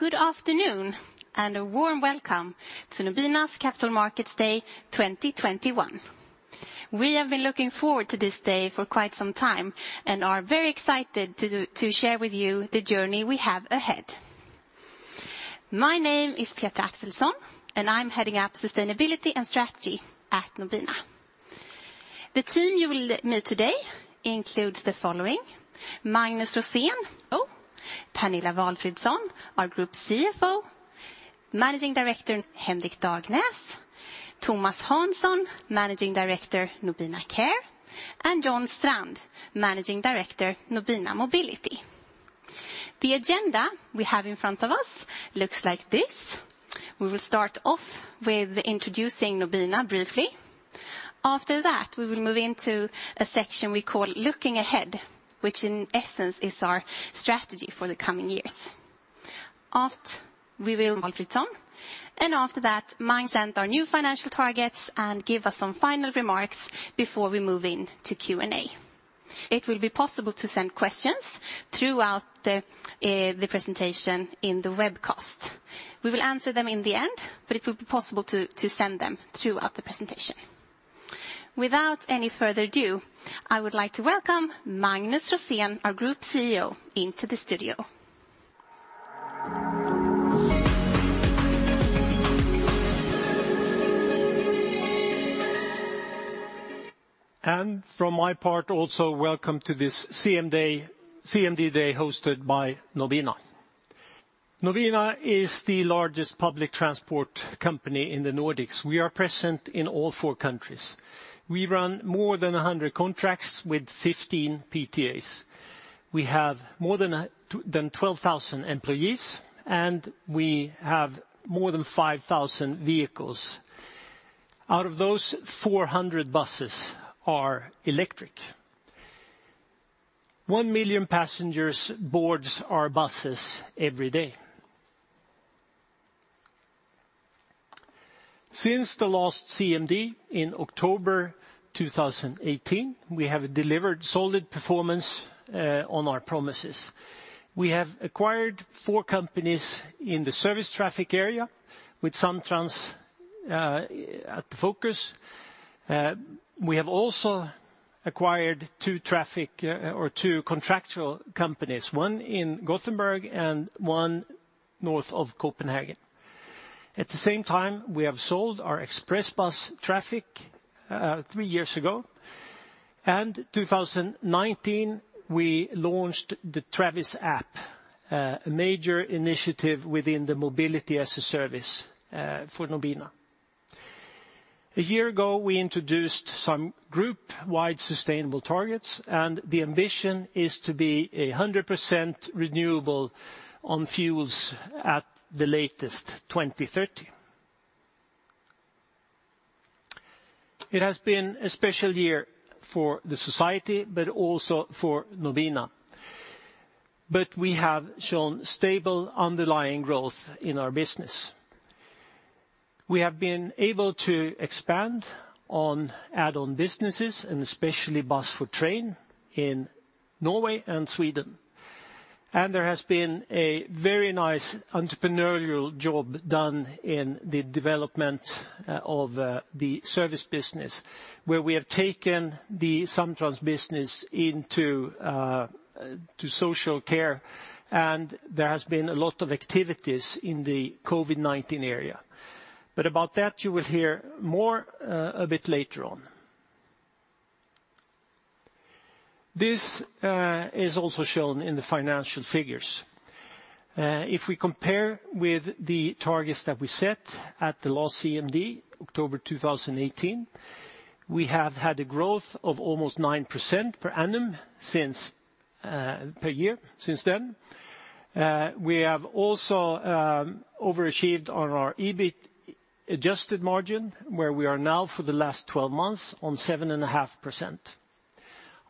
Good afternoon, and a warm welcome to Nobina's Capital Markets Day 2021. We have been looking forward to this day for quite some time and are very excited to share with you the journey we have ahead. My name is Petra Axelsson, and I'm heading up Sustainability and Strategy at Nobina. The team you will meet today includes the following, Magnus Rosén, Pernilla Walfridsson, our Group CFO, Managing Director Henrik Dagnäs, Tomas Hansson, Managing Director Nobina Care, and John Strand, Managing Director Nobina Mobility. The agenda we have in front of us looks like this. We will start off with introducing Nobina briefly. After that, we will move into a section we call Looking Ahead, which in essence is our strategy for the coming years. After that, we will have Pernilla Walfridsson, and after that Magnus will present our new financial targets and give us some final remarks before we move into Q&A. It will be possible to send questions throughout the presentation in the webcast. We will answer them in the end, but it will be possible to send them throughout the presentation. Without any further ado, I would like to welcome Magnus Rosén, our Group CEO, into the studio. From my part also, welcome to this CMD day hosted by Nobina. Nobina is the largest public transport company in the Nordics. We are present in all four countries. We run more than 100 contracts with 15 PTAs. We have more than 12,000 employees, and we have more than 5,000 vehicles. Out of those, 400 buses are electric. 1 million passengers boards our buses every day. Since the last CMD in October 2018, we have delivered solid performance on our promises. We have acquired four companies in the service traffic area with Samtrans at the focus. We have also acquired two contractual companies, one in Gothenburg and one north of Copenhagen. At the same time, we have sold our express bus traffic three years ago. In 2019, we launched the Travis app, a major initiative within the mobility as a service for Nobina. A year ago, we introduced some group-wide sustainable targets, and the ambition is to be 100% renewable on fuels at the latest, 2030. It has been a special year for the society but also for Nobina. We have shown stable underlying growth in our business. We have been able to expand on add-on businesses and especially Bus4Train in Norway and Sweden. There has been a very nice entrepreneurial job done in the development of the service business, where we have taken the Samtrans business into the social care, and there has been a lot of activities in the COVID-19 area. About that, you will hear more a bit later on. This is also shown in the financial figures. If we compare with the targets that we set at the last CMD, October 2018, we have had a growth of almost 9% per annum since then. We have also overachieved on our EBIT adjusted margin, where we are now for the last 12 months on 7.5%.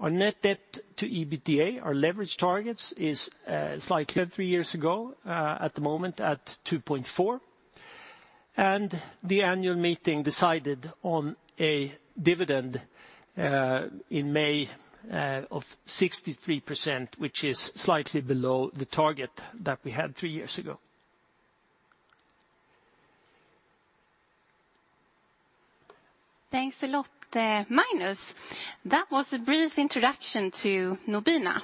Our net debt to EBITDA, our leverage targets, is at the moment at 2.4. The annual meeting decided on a dividend in May of 63%, which is slightly below the target that we had three years ago. Thanks a lot, Magnus. That was a brief introduction to Nobina.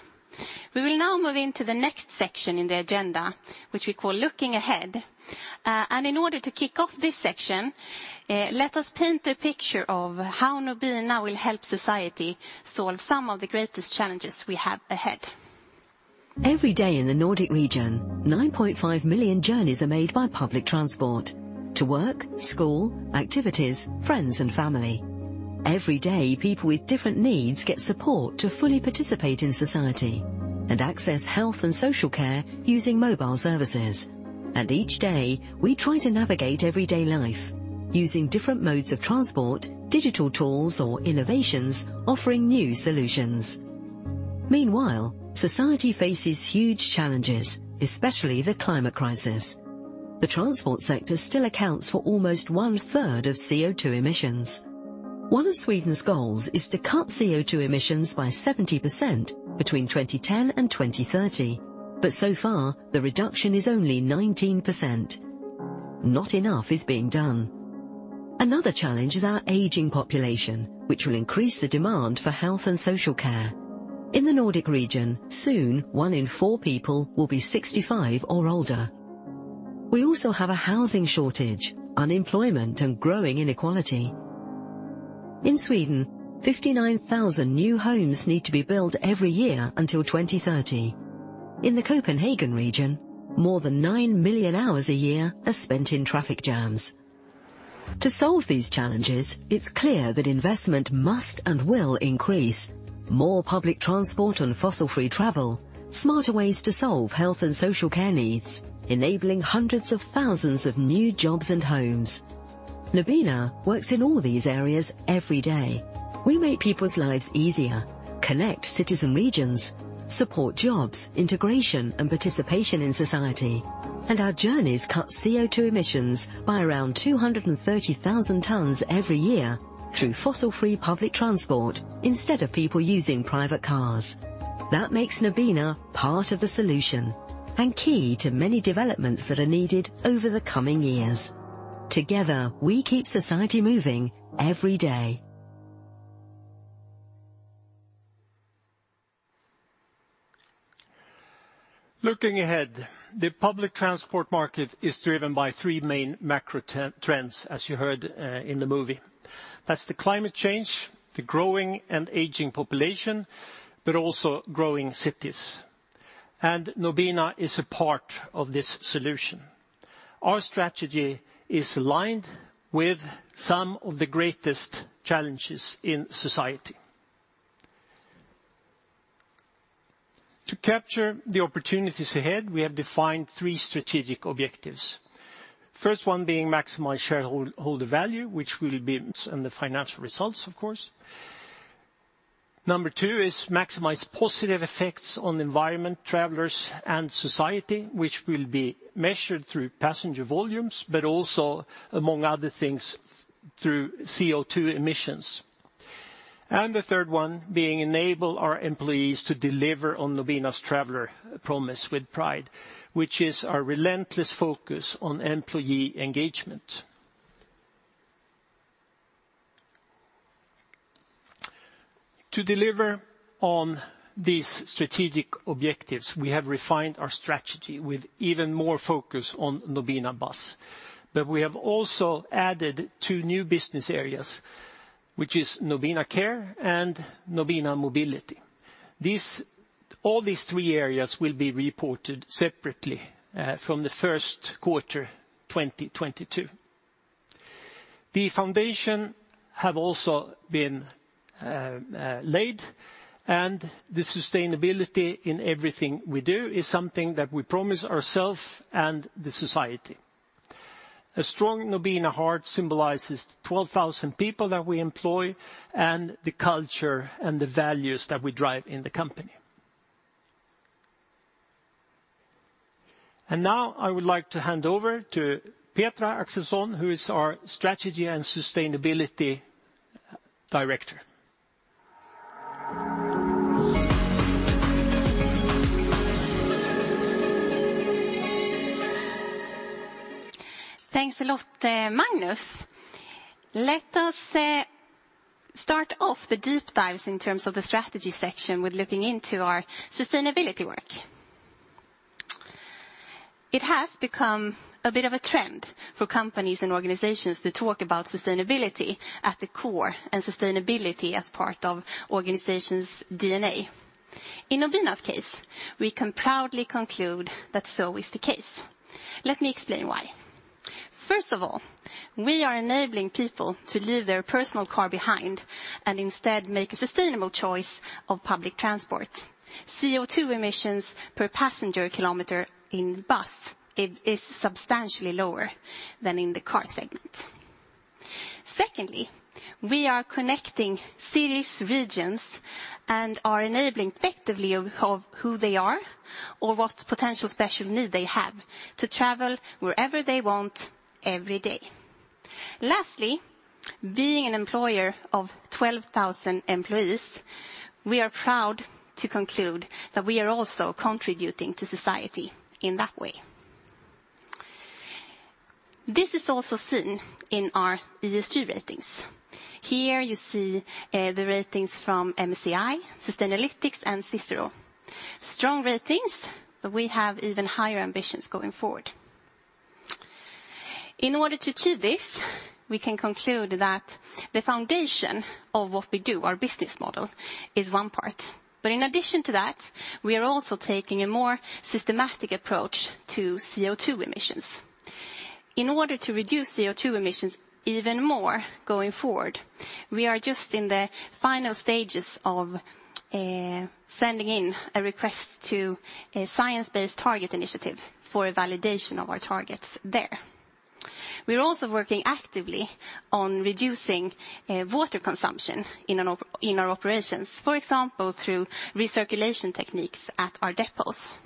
We will now move into the next section in the agenda, which we call Looking Ahead. In order to kick off this section, let us paint a picture of how Nobina will help society solve some of the greatest challenges we have ahead. Every day in the Nordic region, 9.5 million journeys are made by public transport to work, school, activities, friends, and family. Every day, people with different needs get support to fully participate in society and access health and social care using mobile services. Each day, we try to navigate everyday life using different modes of transport, digital tools or innovations offering new solutions. Meanwhile, society faces huge challenges, especially the climate crisis. The transport sector still accounts for almost one-third of CO2 emissions. One of Sweden's goals is to cut CO2 emissions by 70% between 2010 and 2030, but so far, the reduction is only 19%. Not enough is being done. Another challenge is our aging population, which will increase the demand for health and social care. In the Nordic region, soon one in four people will be 65 or older. We also have a housing shortage, unemployment, and growing inequality. In Sweden, 59,000 new homes need to be built every year until 2030. In the Copenhagen region, more than 9 million hours a year are spent in traffic jams. To solve these challenges, it's clear that investment must and will increase. More public transport and fossil-free travel, smarter ways to solve health and social care needs, enabling hundreds of thousands of new jobs and homes. Nobina works in all these areas every day. We make people's lives easier, connect cities and regions, support jobs, integration, and participation in society, and our journeys cut CO2 emissions by around 230,000 tons every year through fossil-free public transport instead of people using private cars. That makes Nobina part of the solution and key to many developments that are needed over the coming years. Together, we keep society moving every day. Looking ahead, the public transport market is driven by three main macro trends, as you heard in the movie. That's the climate change, the growing and aging population, but also growing cities, and Nobina is a part of this solution. Our strategy is aligned with some of the greatest challenges in society. To capture the opportunities ahead, we have defined three strategic objectives. First one being maximize shareholder value which will be in the financial results, of course. Number two is maximize positive effects on the environment, travelers, and society which will be measured through passenger volumes but also, among other things, through CO2 emissions. The third one being enable our employees to deliver on Nobina's traveler promise with pride, which is our relentless focus on employee engagement. To deliver on these strategic objectives, we have refined our strategy with even more focus on Nobina Bus. We have also added two new business areas, which is Nobina Care and Nobina Mobility. All these three areas will be reported separately from the first quarter 2022. The foundation have also been laid, and the sustainability in everything we do is something that we promise ourself and the society. A strong Nobina heart symbolizes the 12,000 people that we employ and the culture and the values that we drive in the company. Now I would like to hand over to Petra Axelsson, who is our Strategy and Sustainability Director. Thanks a lot, Magnus. Let us start off the deep dives in terms of the strategy section with looking into our sustainability work. It has become a bit of a trend for companies and organizations to talk about sustainability at the core and sustainability as part of organizations' DNA. In Nobina's case, we can proudly conclude that so is the case. Let me explain why. First of all, we are enabling people to leave their personal car behind and instead make a sustainable choice of public transport. CO2 emissions per passenger kilometer in bus is substantially lower than in the car segment. Secondly, we are connecting cities, regions, and are enabling effectively of who they are or what potential special need they have to travel wherever they want every day. Lastly, being an employer of 12,000 employees, we are proud to conclude that we are also contributing to society in that way. This is also seen in our ESG ratings. Here you see, the ratings from MSCI, Sustainalytics, and CICERO. Strong ratings, but we have even higher ambitions going forward. In order to achieve this, we can conclude that the foundation of what we do, our business model, is one part. In addition to that, we are also taking a more systematic approach to CO2 emissions. In order to reduce CO2 emissions even more going forward, we are just in the final stages of, sending in a request to a Science Based Targets initiative for a validation of our targets there. We're also working actively on reducing water consumption in our operations, for example, through recirculation techniques at our depots.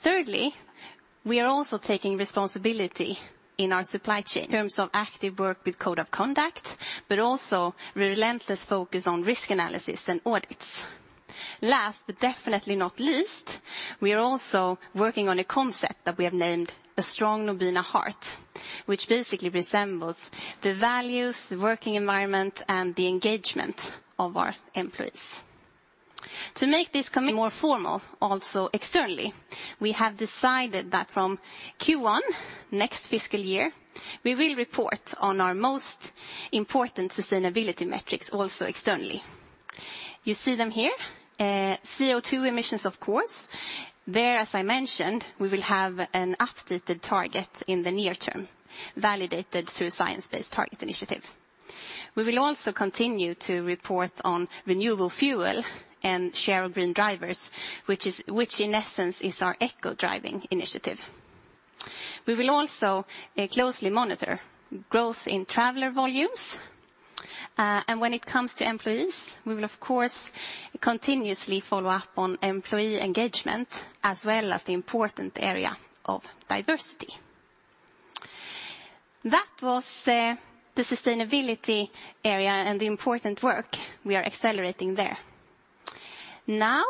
Thirdly, we are also taking responsibility in our supply chain in terms of active work with code of conduct, but also relentless focus on risk analysis and audits. Last, but definitely not least, we are also working on a concept that we have named a strong Nobina heart, which basically resembles the values, the working environment, and the engagement of our employees. To make this commitment more formal, also externally, we have decided that from Q1 next fiscal year, we will report on our most important sustainability metrics also externally. You see them here. CO2 emissions, of course. There, as I mentioned, we will have an updated target in the near term, validated through a Science Based Targets initiative. We will also continue to report on renewable fuel and shareable drivers, which in essence is our eco driving initiative. We will also closely monitor growth in traveler volumes. When it comes to employees, we will of course continuously follow up on employee engagement as well as the important area of diversity. That was the sustainability area and the important work we are accelerating there. Now,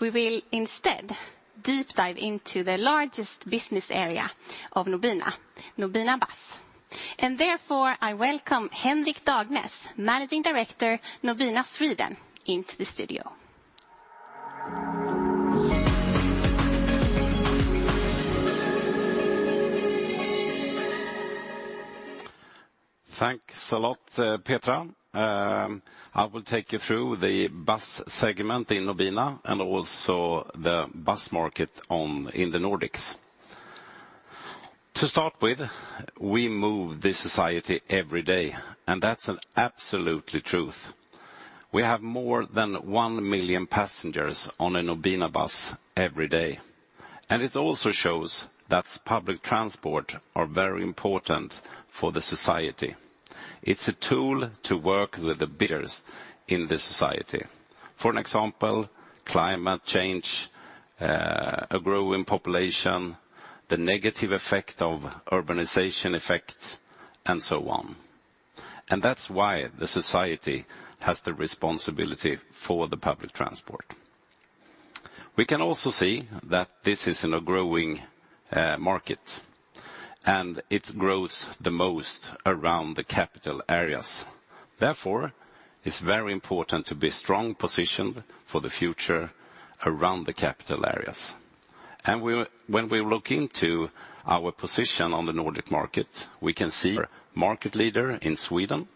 we will instead deep dive into the largest business area of Nobina Bus. Therefore, I welcome Henrik Dagnäs, Managing Director, Nobina Sweden, into the studio. Thanks a lot, Petra. I will take you through the bus segment in Nobina and also the bus market in the Nordics. To start with, we move the society every day, and that's an absolute truth. We have more than 1 million passengers on a Nobina bus every day. It also shows that public transport is very important for the society. It's a tool to work with the bigger issues in the society. For example, climate change, a growing population, the negative effects of urbanization, and so on. That's why the society has the responsibility for the public transport. We can also see that this is in a growing market, and it grows the most around the capital areas. Therefore, it's very important to be strongly positioned for the future around the capital areas. When we look into our position on the Nordic market, we can see we're market leader in Sweden.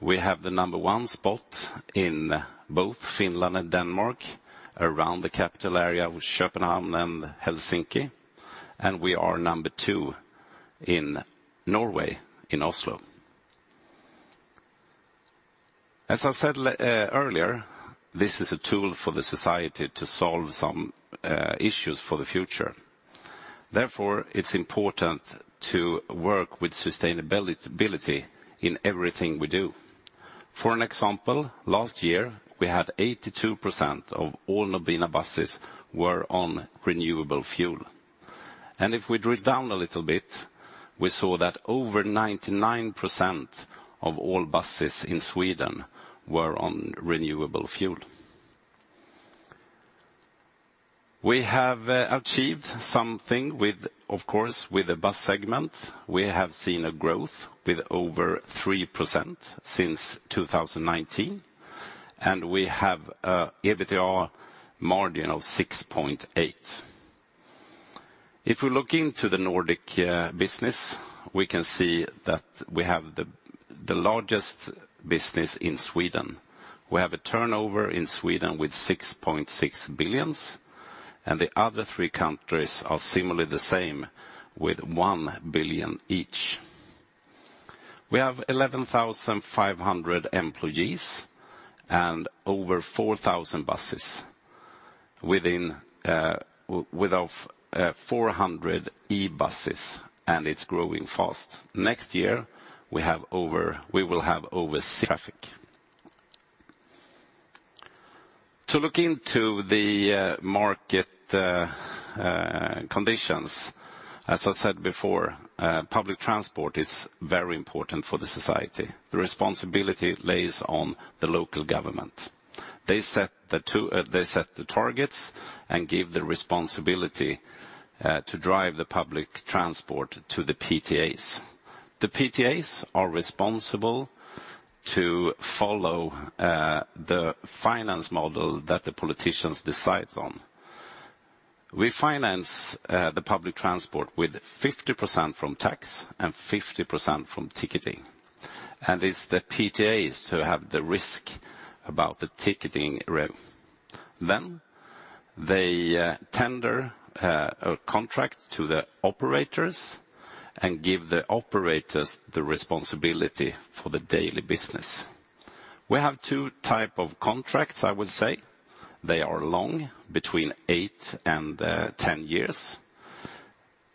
We have the number one spot in both Finland and Denmark, around the capital area with Copenhagen and Helsinki, and we are number two in Norway, in Oslo. As I said earlier, this is a tool for the society to solve some issues for the future. Therefore, it's important to work with sustainability in everything we do. For an example, last year, we had 82% of all Nobina buses were on renewable fuel. If we drill down a little bit, we saw that over 99% of all buses in Sweden were on renewable fuel. We have achieved something with, of course, with the bus segment. We have seen a growth with over 3% since 2019, and we have a EBITDA margin of 6.8%. If we look into the Nordic business, we can see that we have the largest business in Sweden. We have a turnover in Sweden with 6.6 billion, and the other three countries are similarly the same with 1 billion each. We have 11,500 employees and over 4,000 buses with 400 e-buses, and it's growing fast. Next year, we will have over 400 e-buses. To look into the market conditions, as I said before, public transport is very important for the society. The responsibility lies on the local government. They set the targets and give the responsibility to drive the public transport to the PTAs. The PTAs are responsible to follow the finance model that the politicians decides on. We finance the public transport with 50% from tax and 50% from ticketing. It's the PTAs who have the risk about the ticketing rev. They tender a contract to the operators and give the operators the responsibility for the daily business. We have two type of contracts, I would say. They are long, between eight and 10 years.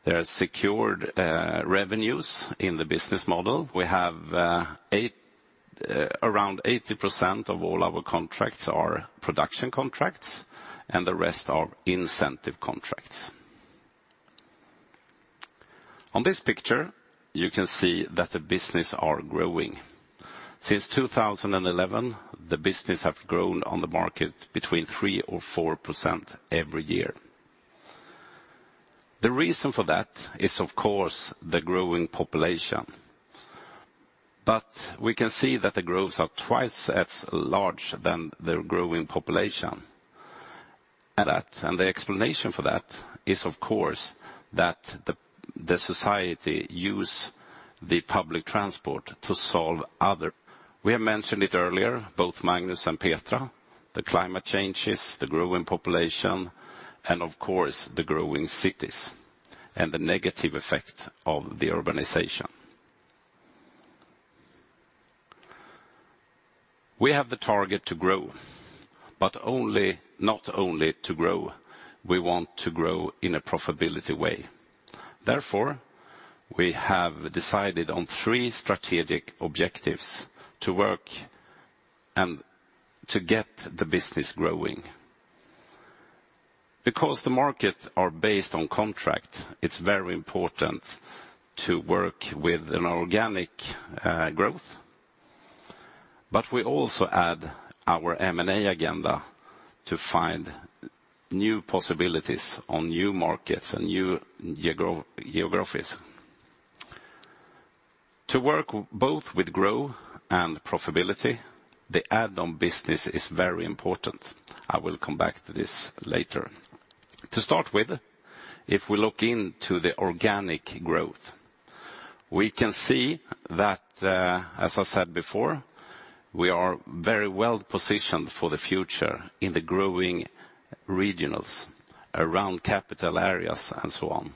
There are secured revenues in the business model. We have around 80% of all our contracts are production contracts, and the rest are incentive contracts. On this picture, you can see that the business are growing. Since 2011, the business have grown on the market between 3%-4% every year. The reason for that is, of course, the growing population. We can see that the growths are twice as large than the growing population. That, the explanation for that is, of course, that the society use the public transport to solve other. We have mentioned it earlier, both Magnus and Petra, the climate changes, the growing population, and of course, the growing cities, and the negative effect of the urbanization. We have the target to grow, but not only to grow. We want to grow in a profitability way. Therefore, we have decided on three strategic objectives to work and to get the business growing. Because the markets are based on contract, it's very important to work with an organic growth. We also add our M&A agenda to find new possibilities on new markets and new geographies. To work both with grow and profitability, the add-on business is very important. I will come back to this later. To start with, if we look into the organic growth, we can see that, as I said before, we are very well-positioned for the future in the growing regionals around capital areas and so on.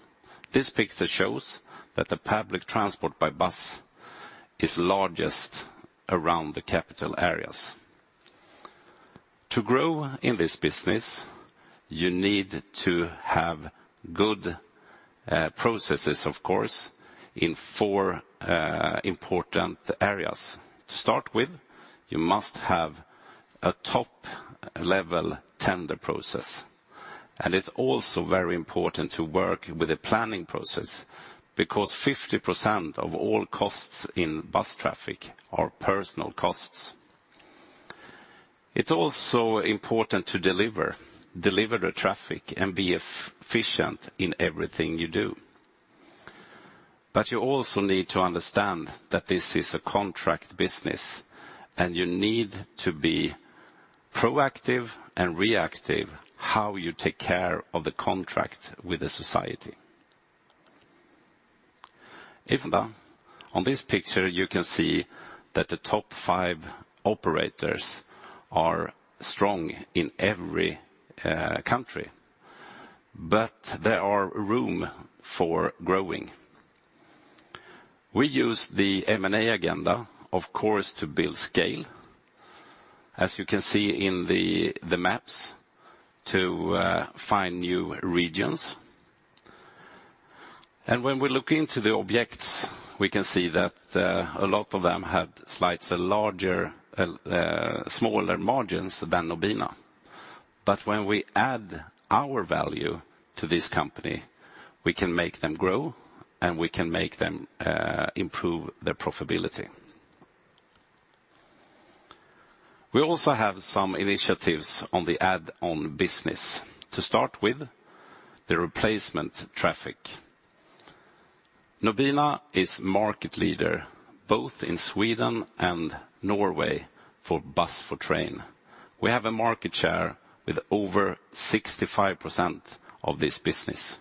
This picture shows that the public transport by bus is largest around the capital areas. To grow in this business, you need to have good processes, of course, in four important areas. To start with, you must have a top-level tender process, and it's also very important to work with the planning process because 50% of all costs in bus traffic are personnel costs. It's also important to deliver the traffic and be efficient in everything you do. You also need to understand that this is a contract business, and you need to be proactive and reactive how you take care of the contract with the society. Even then, on this picture, you can see that the top five operators are strong in every country. There are room for growth. We use the M&A agenda, of course, to build scale, as you can see in the maps, to find new regions. When we look into the targets, we can see that a lot of them have slightly smaller margins than Nobina. When we add our value to this company, we can make them grow, and we can make them improve their profitability. We also have some initiatives on the add-on business. To start with, the replacement traffic. Nobina is market leader both in Sweden and Norway for bus to train. We have a market share with over 65% of this business.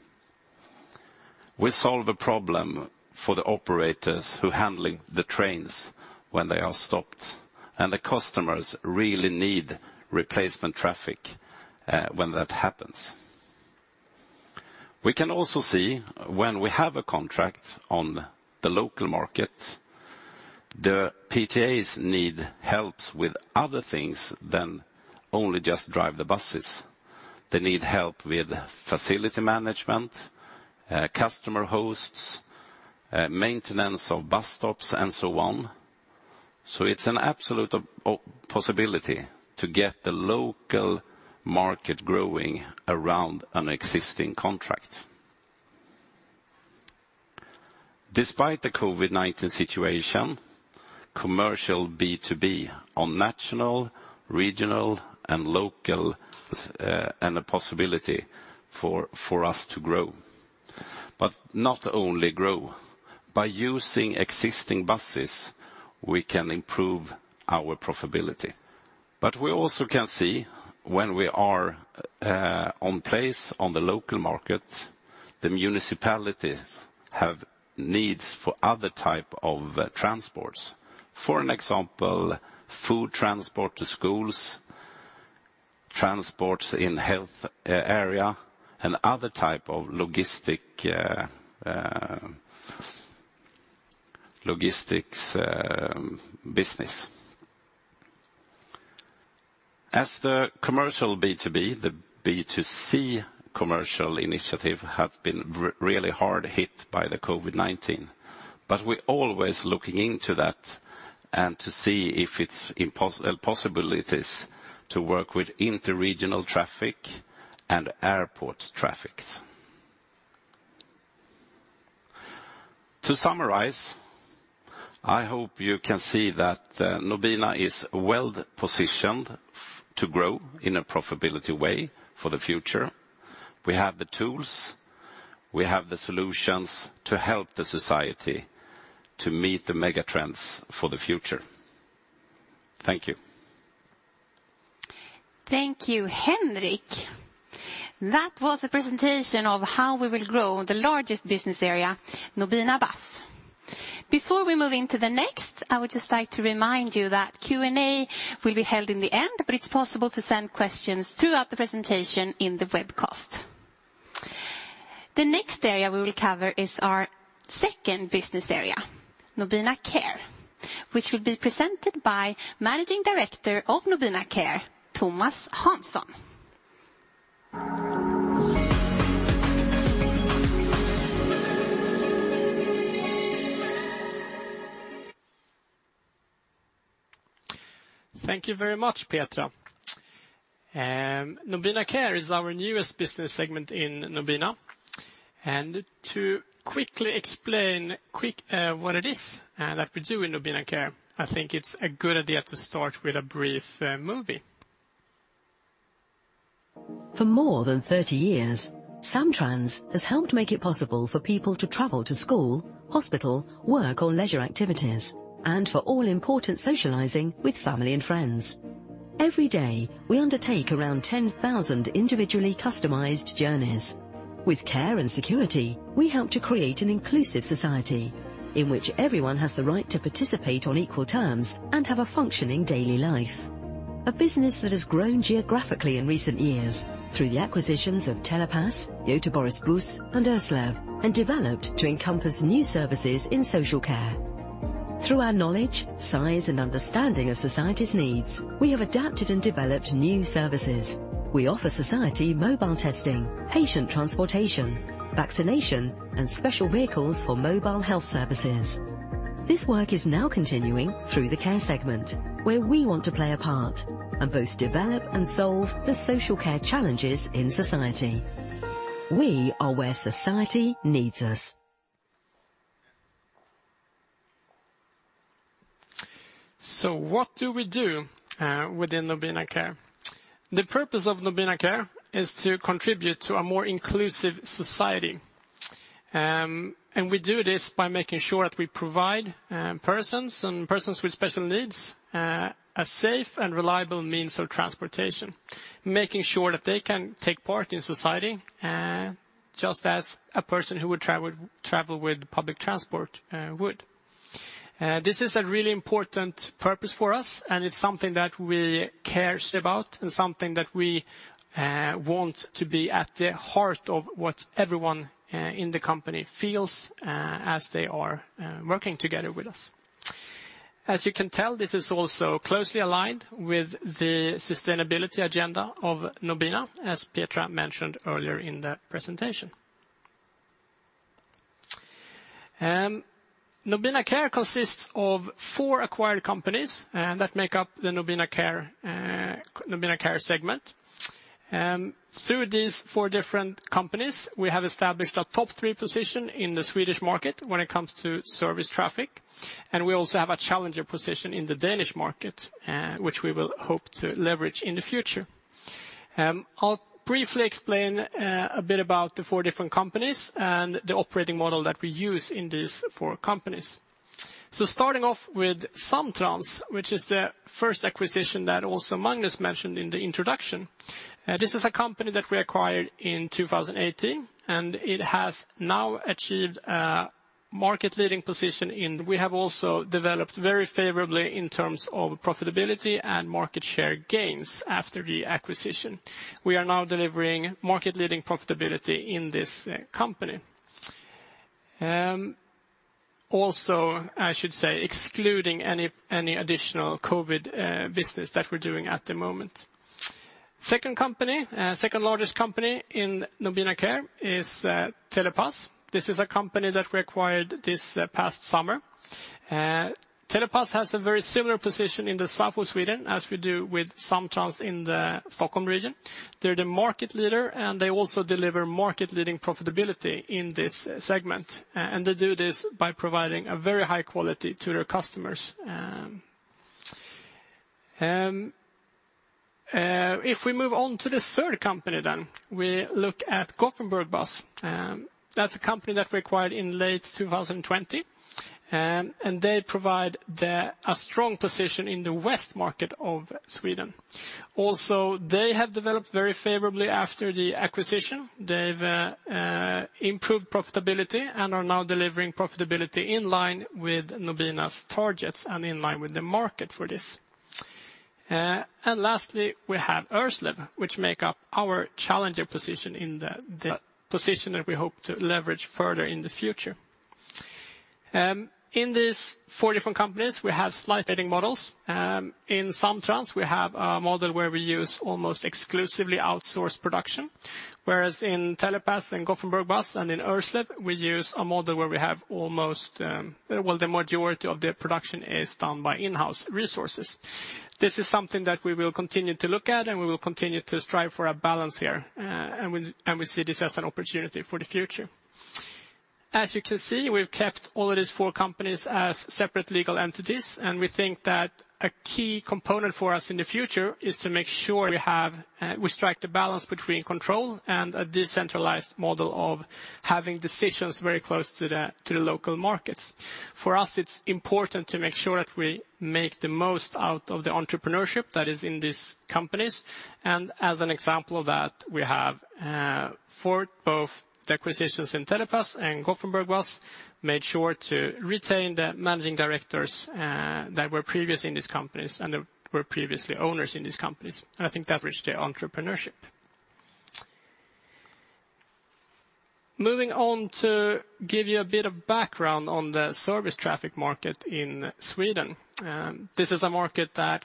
We solve a problem for the operators who handle the trains when they are stopped, and the customers really need replacement traffic when that happens. We can also see when we have a contract on the local market, the PTAs need help with other things than only just drive the buses. They need help with facility management, customer hosts, maintenance of bus stops, and so on. It's an absolute possibility to get the local market growing around an existing contract. Despite the COVID-19 situation, commercial B2B on national, regional, and local, and a possibility for us to grow. Not only grow, by using existing buses, we can improve our profitability. We also can see when we are in place on the local market, the municipalities have needs for other type of transports. For example, food transport to schools, transports in health area, and other type of logistics business. As the commercial B2B, the B2C commercial initiative have been really hard hit by the COVID-19. We're always looking into that and to see if it's possibilities to work with interregional traffic and airport traffic. To summarize, I hope you can see that Nobina is well-positioned to grow in a profitability way for the future. We have the tools, we have the solutions to help the society to meet the mega trends for the future. Thank you. Thank you, Henrik. That was a presentation of how we will grow the largest business area, Nobina Bus. Before we move into the next, I would just like to remind you that Q&A will be held in the end, but it's possible to send questions throughout the presentation in the webcast. The next area we will cover is our second business area, Nobina Care, which will be presented by Managing Director of Nobina Care, Tomas Hansson. Thank you very much, Petra. Nobina Care is our newest business segment in Nobina. To quickly explain what it is that we do in Nobina Care, I think it's a good idea to start with a brief movie. For more than 30 years, Samtrans has helped make it possible for people to travel to school, hospital, work, or leisure activities, and for all important socializing with family and friends. Every day, we undertake around 10,000 individually customized journeys. With care and security, we help to create an inclusive society in which everyone has the right to participate on equal terms and have a functioning daily life. A business that has grown geographically in recent years through the acquisitions of Telepass, Göteborgs Buss, and Ørslev, and developed to encompass new services in social care. Through our knowledge, size, and understanding of society's needs, we have adapted and developed new services. We offer society mobile testing, patient transportation, vaccination, and special vehicles for mobile health services. This work is now continuing through the care segment, where we want to play a part and both develop and solve the social care challenges in society. We are where society needs us. What do we do within Nobina Care? The purpose of Nobina Care is to contribute to a more inclusive society. We do this by making sure that we provide persons with special needs a safe and reliable means of transportation, making sure that they can take part in society just as a person who would travel with public transport would. This is a really important purpose for us, and it's something that we care about and something that we want to be at the heart of what everyone in the company feels as they are working together with us. As you can tell, this is also closely aligned with the sustainability agenda of Nobina, as Petra mentioned earlier in the presentation. Nobina Care consists of four acquired companies that make up the Nobina Care segment. Through these four different companies, we have established a top three position in the Swedish market when it comes to service traffic, and we also have a challenger position in the Danish market, which we will hope to leverage in the future. I'll briefly explain a bit about the four different companies and the operating model that we use in these four companies. Starting off with Samtrans, which is the first acquisition that also Magnus Rosén mentioned in the introduction. This is a company that we acquired in 2018, and it has now achieved a market-leading position, and we have also developed very favorably in terms of profitability and market share gains after the acquisition. We are now delivering market-leading profitability in this company. Also, I should say, excluding any additional COVID business that we're doing at the moment. Second largest company in Nobina Care is Telepass. This is a company that we acquired this past summer. Telepass has a very similar position in the south of Sweden as we do with Samtrans in the Stockholm region. They're the market leader, and they also deliver market-leading profitability in this segment. They do this by providing a very high quality to their customers. If we move on to the third company, we look at Göteborgs Buss. That's a company that we acquired in late 2020, and they provide a strong position in the west market of Sweden. They have developed very favorably after the acquisition. They've improved profitability and are now delivering profitability in line with Nobina's targets and in line with the market for this. Lastly, we have Örslev, which make up our challenger position in the position that we hope to leverage further in the future. In these four different companies, we have slightly different operating models. In Samtrans, we have a model where we use almost exclusively outsourced production, whereas in Telepass and Göteborgs Buss and in Örslev, we use a model where we have almost the majority of the production is done by in-house resources. This is something that we will continue to look at, and we will continue to strive for a balance here. We see this as an opportunity for the future. As you can see, we've kept all of these four companies as separate legal entities, and we think that a key component for us in the future is to make sure we strike the balance between control and a decentralized model of having decisions very close to the local markets. For us, it's important to make sure that we make the most out of the entrepreneurship that is in these companies. As an example of that, we have, for both the acquisitions in Telepass and Göteborgs Buss, made sure to retain the managing directors, that were previously in these companies, and they were previously owners in these companies. I think that unleashes their entrepreneurship. Moving on to give you a bit of background on the service traffic market in Sweden. This is a market that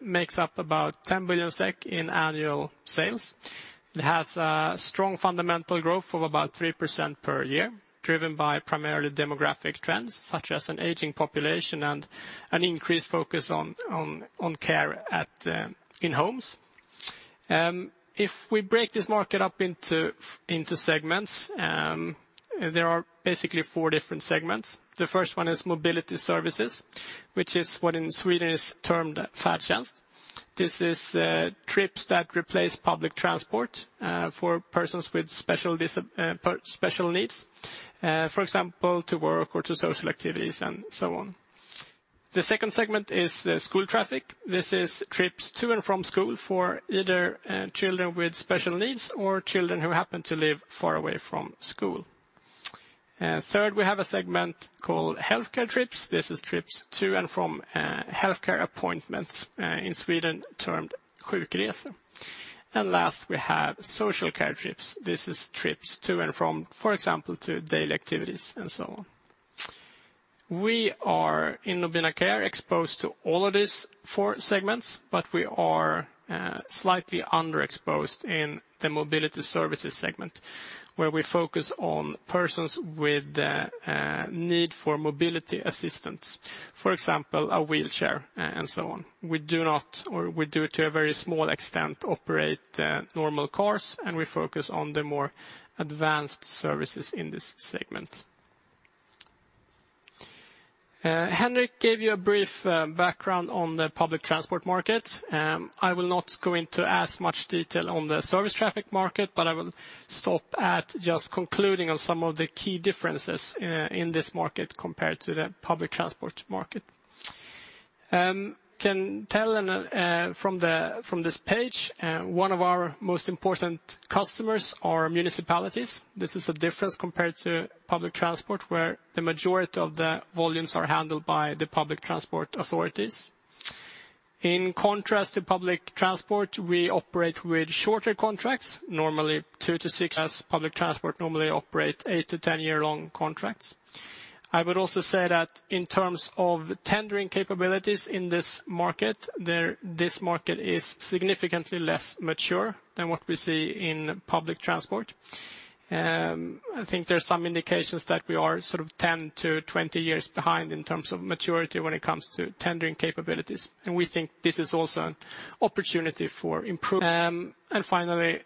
makes up about 10 billion SEK in annual sales. It has a strong fundamental growth of about 3% per year, driven by primarily demographic trends, such as an aging population and an increased focus on care at home. If we break this market up into segments, there are basically four different segments. The first one is mobility services, which is what in Sweden is termed. This is trips that replace public transport for persons with special needs, for example, to work or to social activities and so on. The second segment is school traffic. This is trips to and from school for either children with special needs or children who happen to live far away from school. Third, we have a segment called healthcare trips. This is trips to and from healthcare appointments in Sweden termed. Last, we have social care trips. This is trips to and from, for example, to daily activities and so on. We are in Nobina Care exposed to all of these four segments, but we are slightly underexposed in the mobility services segment, where we focus on persons with the need for mobility assistance, for example, a wheelchair and so on. We do not, or we do to a very small extent, operate normal cars, and we focus on the more advanced services in this segment. Henrik gave you a brief background on the public transport market. I will not go into as much detail on the service traffic market, but I will stop at just concluding on some of the key differences in this market compared to the public transport market. You can tell from this page, one of our most important customers are municipalities. This is a difference compared to public transport, where the majority of the volumes are handled by the public transport authorities. In contrast to public transport, we operate with shorter contracts, normally two to six, as public transport normally operate eight to 10-year-long contracts. I would also say that in terms of tendering capabilities in this market, this market is significantly less mature than what we see in public transport. I think there's some indications that we are sort of 10-20 years behind in terms of maturity when it comes to tendering capabilities. We think this is also an opportunity for improvement. Finally,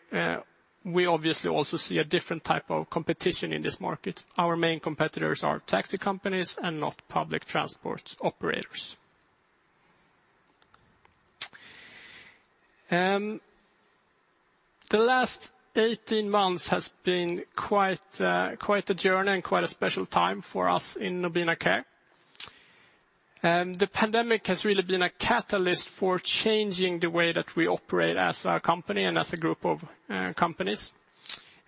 we obviously also see a different type of competition in this market. Our main competitors are taxi companies and not public transport operators. The last 18 months has been quite a journey and quite a special time for us in Nobina Care. The pandemic has really been a catalyst for changing the way that we operate as a company and as a group of companies.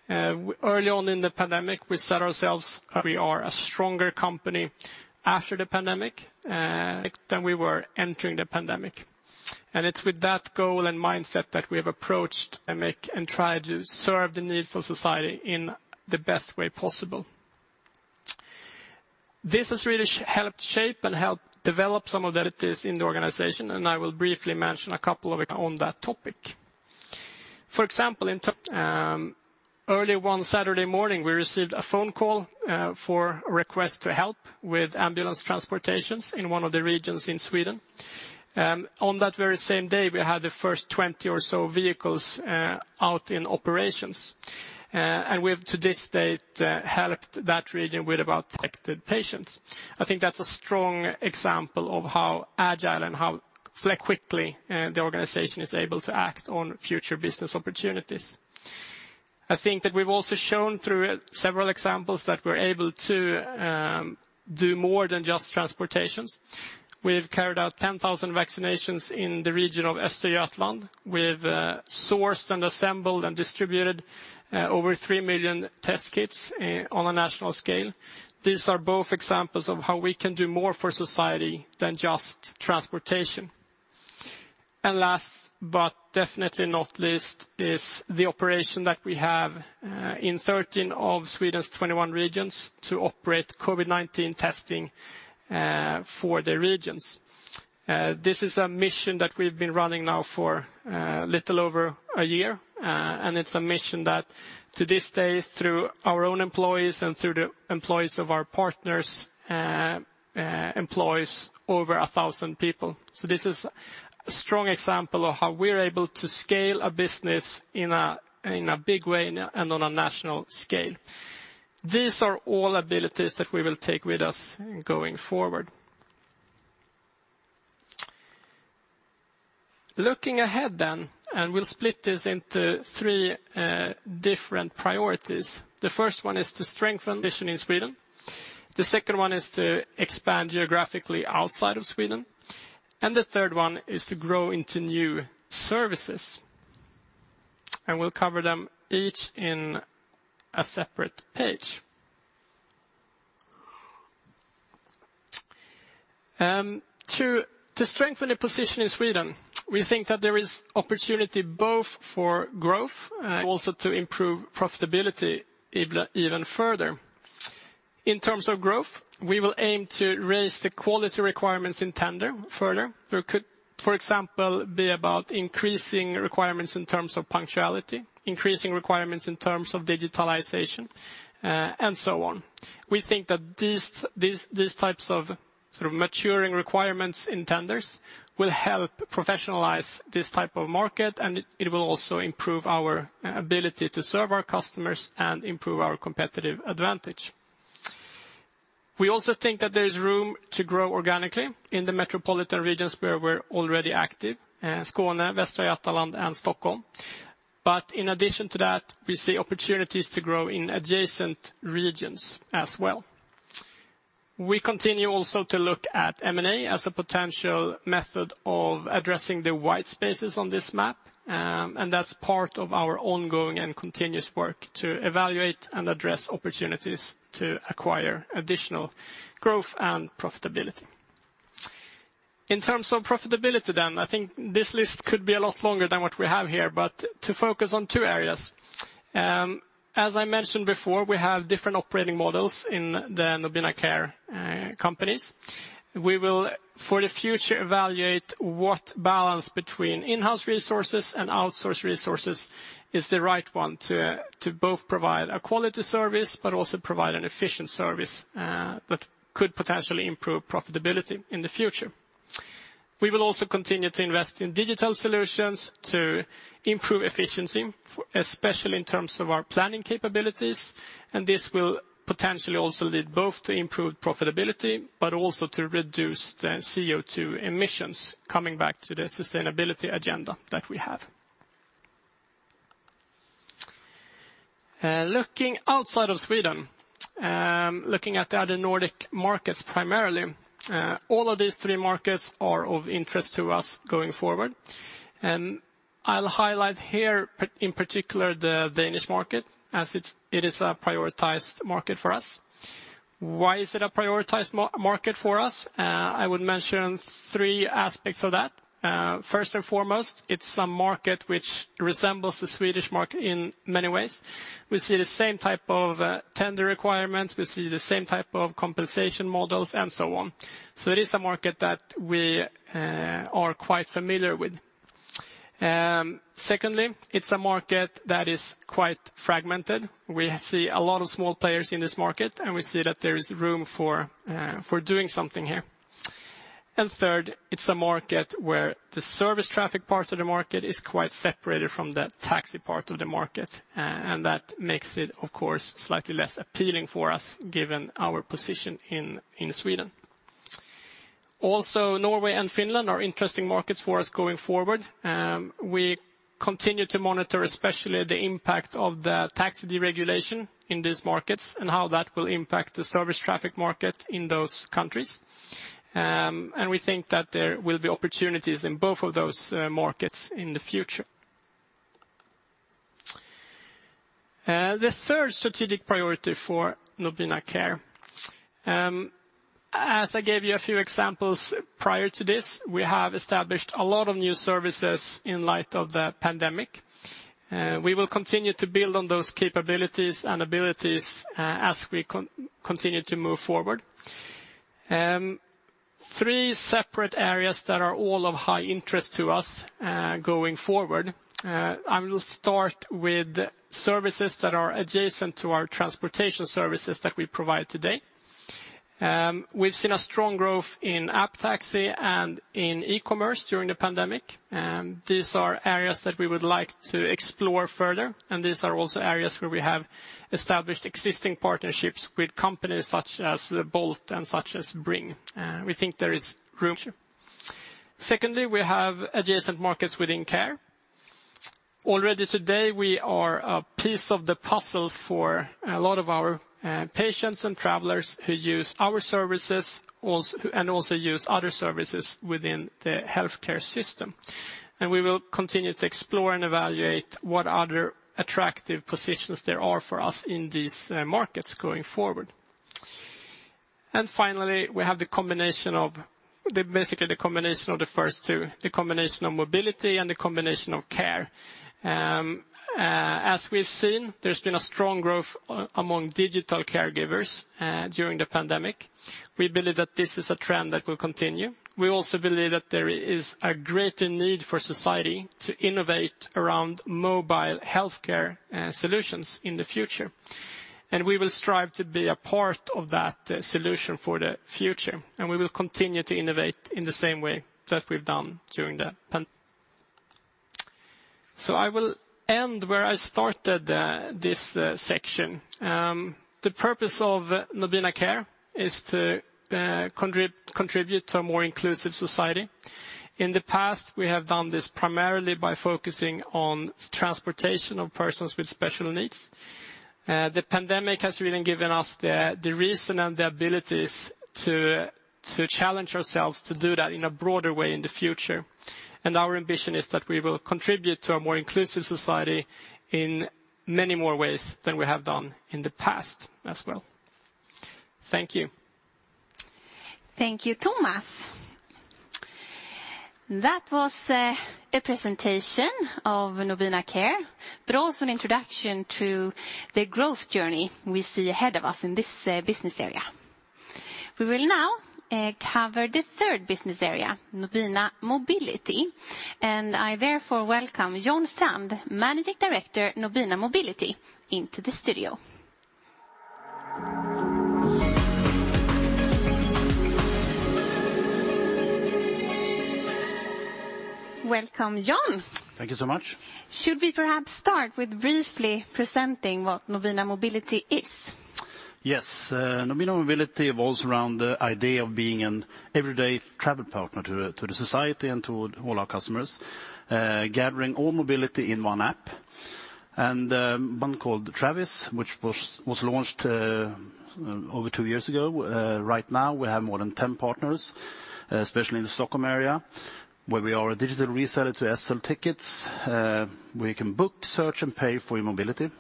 Early on in the pandemic, we said ourselves that we are a stronger company after the pandemic than we were entering the pandemic. It's with that goal and mindset that we have approached the pandemic and tried to serve the needs of society in the best way possible. This has really helped shape and helped develop some of that agility in the organization, and I will briefly mention a couple of it on that topic. For example, in the autumn early one Saturday morning, we received a phone call for a request to help with ambulance transportations in one of the regions in Sweden. On that very same day, we had the first 20 or so vehicles out in operations. We've to this date helped that region with about 100,000 patient transports. I think that's a strong example of how agile and how quickly the organization is able to act on future business opportunities. I think that we've also shown through several examples that we're able to do more than just transportation. We've carried out 10,000 vaccinations in the region of Östergötland. We've sourced and assembled and distributed over 3 million test kits on a national scale. These are both examples of how we can do more for society than just transportation. Last, but definitely not least, is the operation that we have in 13 of Sweden's 21 regions to operate COVID-19 testing for the regions. This is a mission that we've been running now for a little over a year. It's a mission that to this day, through our own employees and through the employees of our partners, employs over 1,000 people. This is a strong example of how we're able to scale a business in a big way and on a national scale. These are all abilities that we will take with us going forward. Looking ahead, we'll split this into three different priorities. The first one is to strengthen position in Sweden. The second one is to expand geographically outside of Sweden, and the third one is to grow into new services. We'll cover them each in a separate page. To strengthen the position in Sweden, we think that there is opportunity both for growth also to improve profitability even further. In terms of growth, we will aim to raise the quality requirements in tender further. There could, for example, be about increasing requirements in terms of punctuality, increasing requirements in terms of digitalization, and so on. We think that these types of sort of maturing requirements in tenders will help professionalize this type of market, and it will also improve our ability to serve our customers and improve our competitive advantage. We also think that there's room to grow organically in the metropolitan regions where we're already active, Skåne, Västra Götaland, and Stockholm. In addition to that, we see opportunities to grow in adjacent regions as well. We continue also to look at M&A as a potential method of addressing the white spaces on this map, and that's part of our ongoing and continuous work to evaluate and address opportunities to acquire additional growth and profitability. In terms of profitability then, I think this list could be a lot longer than what we have here, but to focus on two areas. As I mentioned before, we have different operating models in the Nobina Care companies. We will, for the future, evaluate what balance between in-house resources and outsourced resources is the right one to both provide a quality service, but also provide an efficient service that could potentially improve profitability in the future. We will also continue to invest in digital solutions to improve efficiency, especially in terms of our planning capabilities. This will potentially also lead both to improved profitability, but also to reduce the CO2 emissions coming back to the sustainability agenda that we have. Looking outside of Sweden, looking at the other Nordic markets primarily, all of these three markets are of interest to us going forward. I'll highlight here in particular the Danish market, as it is a prioritized market for us. Why is it a prioritized market for us? I would mention three aspects of that. First and foremost, it's a market which resembles the Swedish market in many ways. We see the same type of tender requirements, we see the same type of compensation models, and so on. It is a market that we are quite familiar with. Secondly, it's a market that is quite fragmented. We see a lot of small players in this market, and we see that there is room for doing something here. Third, it's a market where the service traffic part of the market is quite separated from the taxi part of the market. That makes it, of course, slightly less appealing for us given our position in Sweden. Also, Norway and Finland are interesting markets for us going forward. We continue to monitor especially the impact of the taxi deregulation in these markets and how that will impact the service traffic market in those countries. We think that there will be opportunities in both of those markets in the future. The third strategic priority for Nobina Care, as I gave you a few examples prior to this, we have established a lot of new services in light of the pandemic. We will continue to build on those capabilities and abilities as we continue to move forward. Three separate areas that are all of high interest to us going forward. I will start with services that are adjacent to our transportation services that we provide today. We've seen a strong growth in app taxi and in e-commerce during the pandemic, and these are areas that we would like to explore further, and these are also areas where we have established existing partnerships with companies such as Bolt and such as Bring. We think there is room. Secondly, we have adjacent markets within care. Already today, we are a piece of the puzzle for a lot of our patients and travelers who use our services and also use other services within the healthcare system. We will continue to explore and evaluate what other attractive positions there are for us in these markets going forward. Finally, we have the combination of, basically the combination of the first two, the combination of mobility and the combination of care. As we've seen, there's been a strong growth among digital caregivers during the pandemic. We believe that this is a trend that will continue. We also believe that there is a greater need for society to innovate around mobile healthcare solutions in the future. We will strive to be a part of that solution for the future, and we will continue to innovate in the same way that we've done during the pandemic. I will end where I started this section. The purpose of Nobina Care is to contribute to a more inclusive society. In the past, we have done this primarily by focusing on transportation of persons with special needs. The pandemic has really given us the reason and the abilities to challenge ourselves to do that in a broader way in the future. Our ambition is that we will contribute to a more inclusive society in many more ways than we have done in the past as well. Thank you. Thank you, Tomas. That was a presentation of Nobina Care, but also an introduction to the growth journey we see ahead of us in this business area. We will now cover the third business area, Nobina Mobility, and I therefore welcome John Strand, Managing Director, Nobina Mobility, into the studio. Welcome, John. Thank you so much. Should we perhaps start with briefly presenting what Nobina Mobility is? Yes. Nobina Mobility revolves around the idea of being an everyday travel partner to the society and to all our customers, gathering all mobility in one app. One called Travis, which was launched over two years ago. Right now we have more than 10 partners, especially in the Stockholm area, where we are a digital reseller to SL Tickets. We can book, search, and pay for your mobility.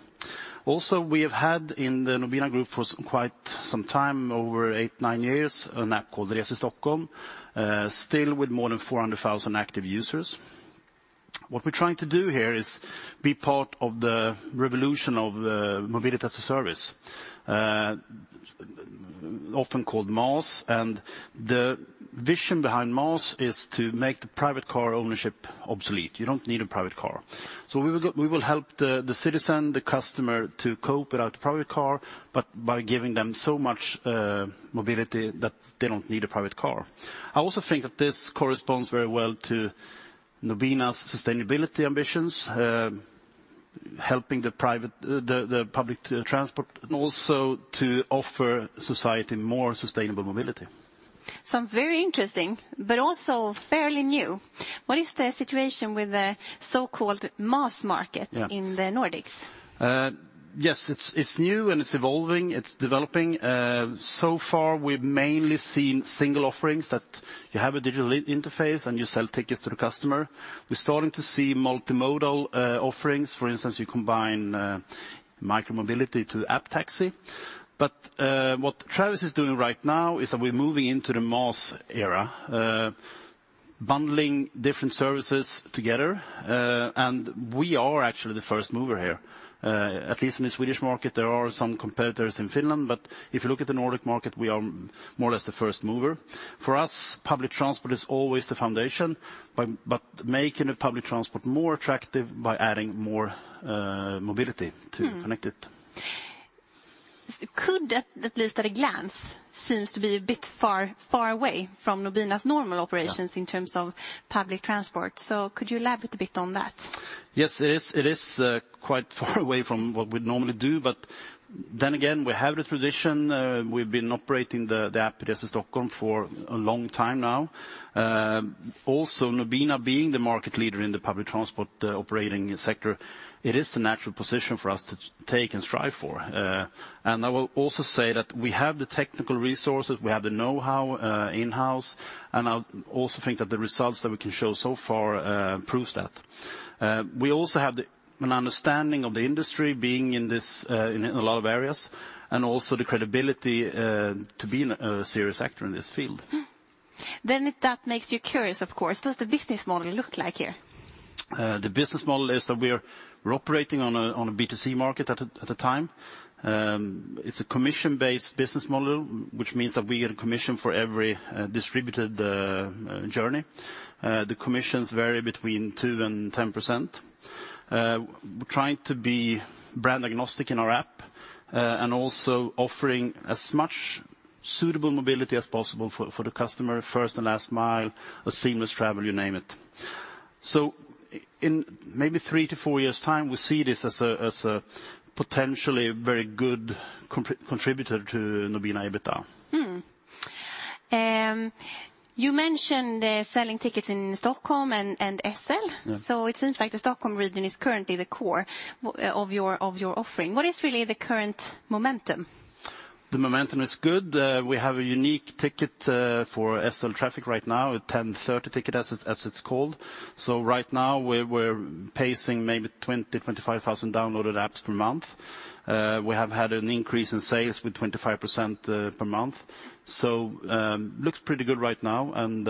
Also, we have had in the Nobina Group for quite some time, over eight to nine years, an app called Res i STHLM, still with more than 400,000 active users. What we're trying to do here is be part of the revolution of mobility as a service, often called MaaS, and the vision behind MaaS is to make the private car ownership obsolete. You don't need a private car. We will help the citizen, the customer, to cope without a private car, but by giving them so much mobility that they don't need a private car. I also think that this corresponds very well to Nobina's sustainability ambitions, helping the private, the public transport, and also to offer society more sustainable mobility. Sounds very interesting, but also fairly new. What is the situation with the so-called MaaS market? Yeah. In the Nordics? Yes, it's new and it's evolving, it's developing. So far we've mainly seen single offerings that you have a digital interface and you sell tickets to the customer. We're starting to see multimodal offerings. For instance, you combine micro mobility to app taxi. What Travis is doing right now is that we're moving into the MaaS era, bundling different services together, and we are actually the first mover here. At least in the Swedish market. There are some competitors in Finland, but if you look at the Nordic market, we are more or less the first mover. For us, public transport is always the foundation, but making the public transport more attractive by adding more mobility to connect it. It could at least at a glance seem to be a bit far away from Nobina's normal operations. Yeah. In terms of public transport, so could you elaborate a bit on that? Yes, it is. It is quite far away from what we'd normally do, but then again, we have the tradition, we've been operating the app Res i STHLM for a long time now. Also Nobina being the market leader in the public transport operating sector, it is the natural position for us to take and strive for. I will also say that we have the technical resources, we have the know-how in-house, and I also think that the results that we can show so far proves that. We also have an understanding of the industry being in a lot of areas, and also the credibility to be a serious actor in this field. That makes you curious, of course. Does the business model look like here? The business model is that we're operating on a B2C market at a time. It's a commission-based business model, which means that we get a commission for every distributed journey. The commissions vary between 2% and 10%. We're trying to be brand agnostic in our app and also offering as much suitable mobility as possible for the customer, first and last mile, a seamless travel, you name it. In maybe three to four years' time, we see this as a potentially very good contributor to Nobina EBITDA. You mentioned selling tickets in Stockholm and SL. Yeah. It seems like the Stockholm region is currently the core of your offering. What is really the current momentum? The momentum is good. We have a unique ticket for SL traffic right now, a 10:30 ticket, as it's called. Right now we're pacing maybe 20-25,000 downloaded apps per month. We have had an increase in sales with 25% per month. Looks pretty good right now, and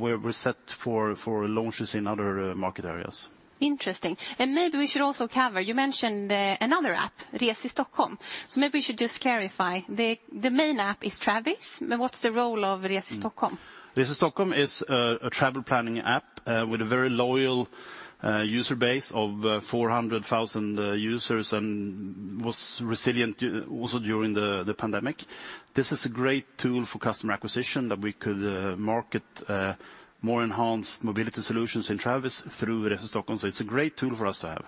we're set for launches in other market areas. Interesting. Maybe we should also cover, you mentioned, another app, Res i STHLM. Maybe we should just clarify, the main app is Travis, but what's the role of Res i STHLM? Res i STHLM is a travel planning app with a very loyal user base of 400,000 users and was resilient also during the pandemic. This is a great tool for customer acquisition that we could market more enhanced mobility solutions in Travis through Res i STHLM. It's a great tool for us to have.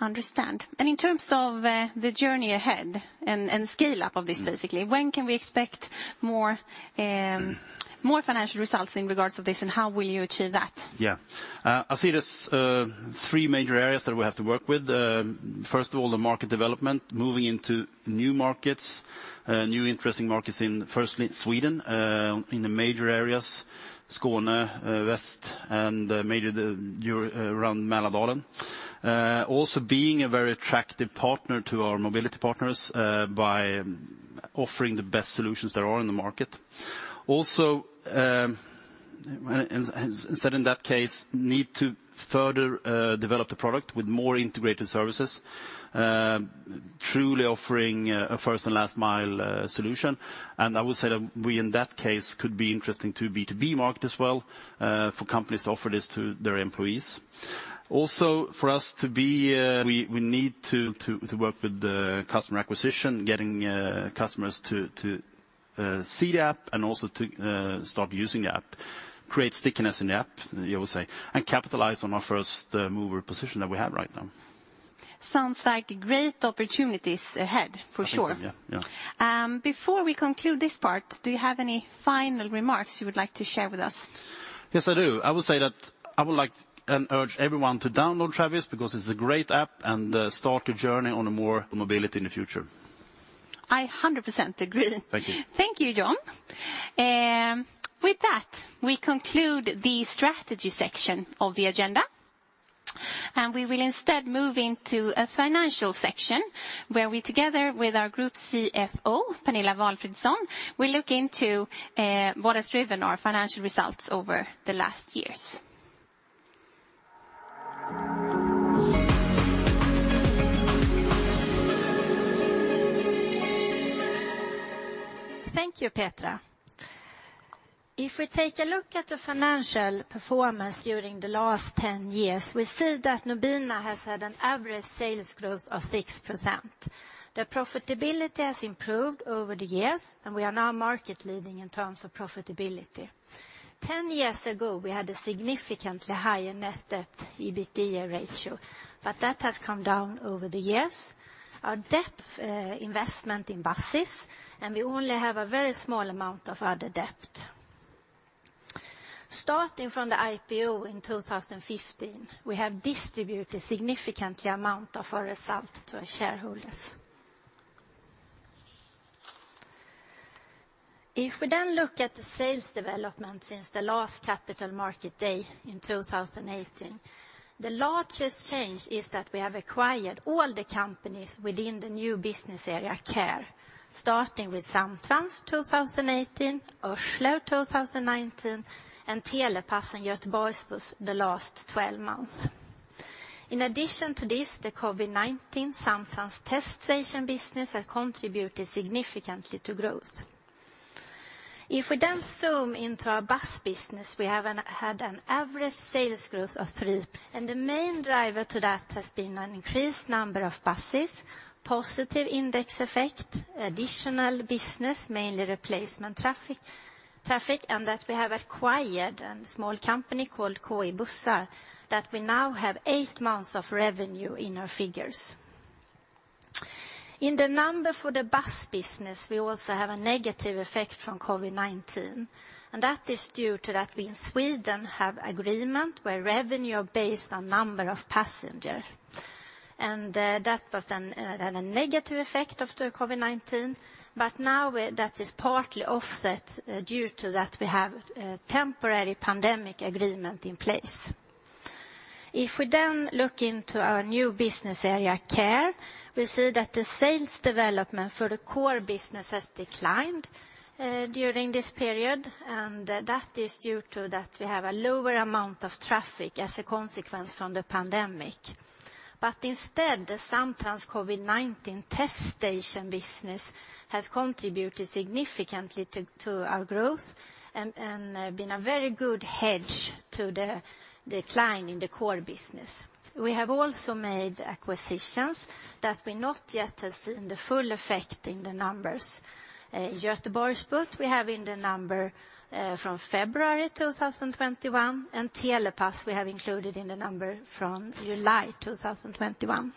Understand. In terms of the journey ahead and scale-up of this basically, when can we expect more financial results in regards to this, and how will you achieve that? Yeah. I see there's three major areas that we have to work with. First of all, the market development, moving into new markets, new interesting markets in firstly Sweden, in the major areas, Skåne, West, and around Mälardalen. Also being a very attractive partner to our mobility partners, by offering the best solutions there are in the market. Also, as said in that case, we need to further develop the product with more integrated services, truly offering a first and last mile solution. I would say that we, in that case, could be interesting to B2B market as well, for companies to offer this to their employees. We need to work with the customer acquisition, getting customers to see the app and also to start using the app. Create stickiness in the app, you would say, and capitalize on our first mover position that we have right now. Sounds like great opportunities ahead, for sure. I think so, yeah. Yeah. Before we conclude this part, do you have any final remarks you would like to share with us? Yes, I do. I would say that I would like and urge everyone to download Travis because it's a great app, and start your journey on a more mobility in the future. I 100% agree. Thank you. Thank you, John. With that, we conclude the strategy section of the agenda. We will instead move into a financial section where we, together with our Group CFO, Pernilla Walfridsson, will look into what has driven our financial results over the last years. Thank you, Petra. If we take a look at the financial performance during the last 10 years, we see that Nobina has had an average sales growth of 6%. The profitability has improved over the years, and we are now market leading in terms of profitability. 10 years ago, we had a significantly higher net debt EBITDA ratio, but that has come down over the years. Our debt, investment in buses, and we only have a very small amount of other debt. Starting from the IPO in 2015, we have distributed a significant amount of our result to our shareholders. If we then look at the sales development since the last capital market day in 2018, the largest change is that we have acquired all the companies within the new business area Care, starting with Samtrans 2018, Örslev 2019, and Telepass and Göteborgs Buss the last 12 months. In addition to this, the COVID-19 Samtrans test station business has contributed significantly to growth. If we then zoom into our bus business, we had an average sales growth of 3%, and the main driver to that has been an increased number of buses, positive index effect, additional business, mainly replacement traffic, and that we have acquired a small company called KE's Bussar that we now have 8 months of revenue in our figures. In the number for the bus business, we also have a negative effect from COVID-19, and that is due to that we in Sweden have agreement where revenue are based on number of passenger. That was then a negative effect of the COVID-19, but now we're, that is partly offset due to that we have a temporary pandemic agreement in place. If we then look into our new business area, Care, we see that the sales development for the core business has declined during this period, and that is due to that we have a lower amount of traffic as a consequence from the pandemic. Instead, the Samtrans COVID-19 test station business has contributed significantly to our growth and been a very good hedge to the decline in the core business. We have also made acquisitions that we have not yet seen the full effect in the numbers. Göteborgs Buss we have in the numbers from February 2021, and Telepass we have included in the numbers from July 2021.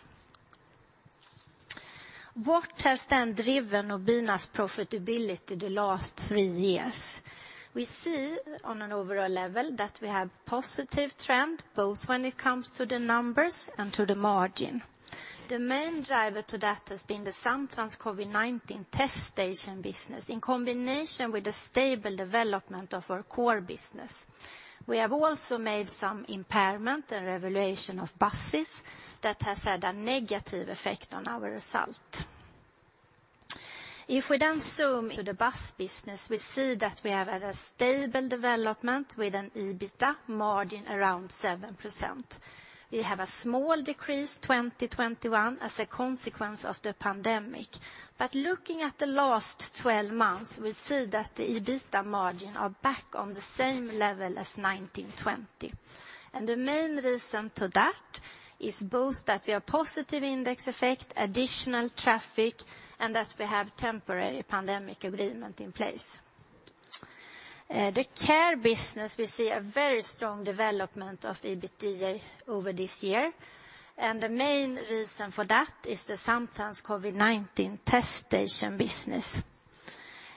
What has driven Nobina's profitability the last three years? We see on an overall level that we have positive trend, both when it comes to the numbers and to the margin. The main driver to that has been the Samtrans COVID-19 test station business in combination with the stable development of our core business. We have also made some impairment and revaluation of buses that has had a negative effect on our result. If we zoom to the bus business, we see that we have had a stable development with an EBITDA margin around 7%. We have a small decrease 2021 as a consequence of the pandemic. Looking at the last 12 months, we see that the EBITDA margin are back on the same level as 2019-2020. The main reason to that is both that we have positive index effect, additional traffic, and that we have temporary pandemic agreement in place. The care business, we see a very strong development of EBITDA over this year. The main reason for that is the Samtrans COVID-19 test station business.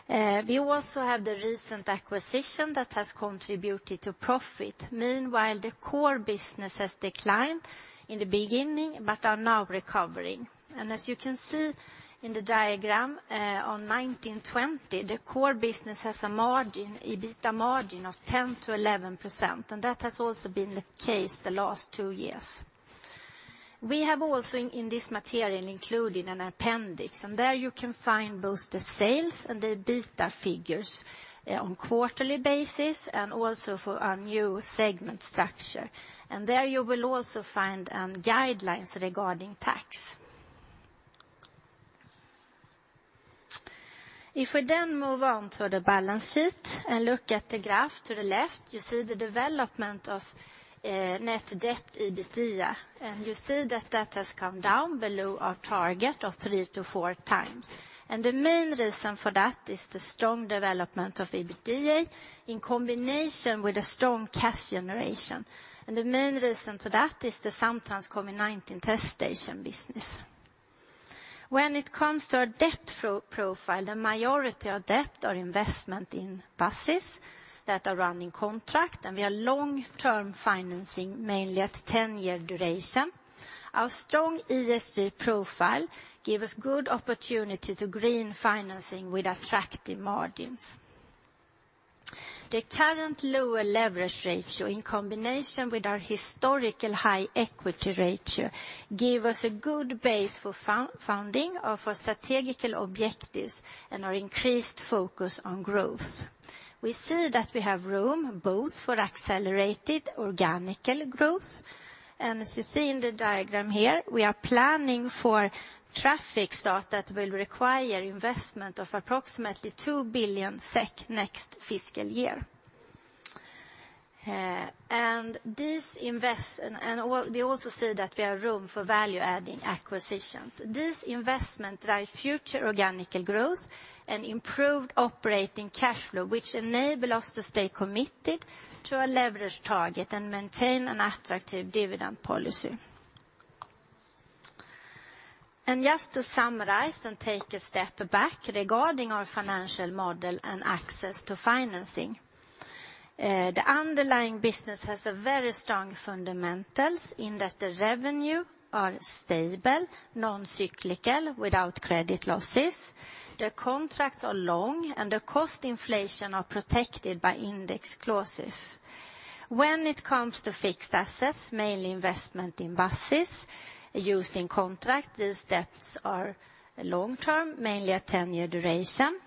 We also have the recent acquisition that has contributed to profit. Meanwhile, the core business has declined in the beginning but are now recovering. As you can see in the diagram, on 2019-2020, the core business has a margin, EBITDA margin of 10%-11%, and that has also been the case the last two years. We have also in this material included an appendix, and there you can find both the sales and the EBITDA figures on quarterly basis and also for our new segment structure. There you will also find guidelines regarding tax. If we then move on to the balance sheet and look at the graph to the left, you see the development of net debt EBITDA, and you see that has come down below our target of 3-4x. The main reason for that is the strong development of EBITDA in combination with a strong cash generation. The main reason for that is the Samtrans COVID-19 test station business. When it comes to our debt profile, the majority of debt are investments in buses that are running under contract, and we are long-term financing mainly at 10-year duration. Our strong ESG profile give us good opportunity to green financing with attractive margins. The current lower leverage ratio in combination with our historical high equity ratio give us a good base for funding of our strategic objectives and our increased focus on growth. We see that we have room both for accelerated organic growth. As you see in the diagram here, we are planning for traffic start that will require investment of approximately 2 billion SEK next fiscal year. We also see that we have room for value-adding acquisitions. This investment drive future organic growth and improved operating cash flow, which enable us to stay committed to our leverage target and maintain an attractive dividend policy. Just to summarize and take a step back regarding our financial model and access to financing. The underlying business has a very strong fundamentals in that the revenue are stable, non-cyclical without credit losses. The contracts are long, and the cost inflation are protected by index clauses. When it comes to fixed assets, mainly investment in buses used in contract, these assets are long-term, mainly a 10-year duration.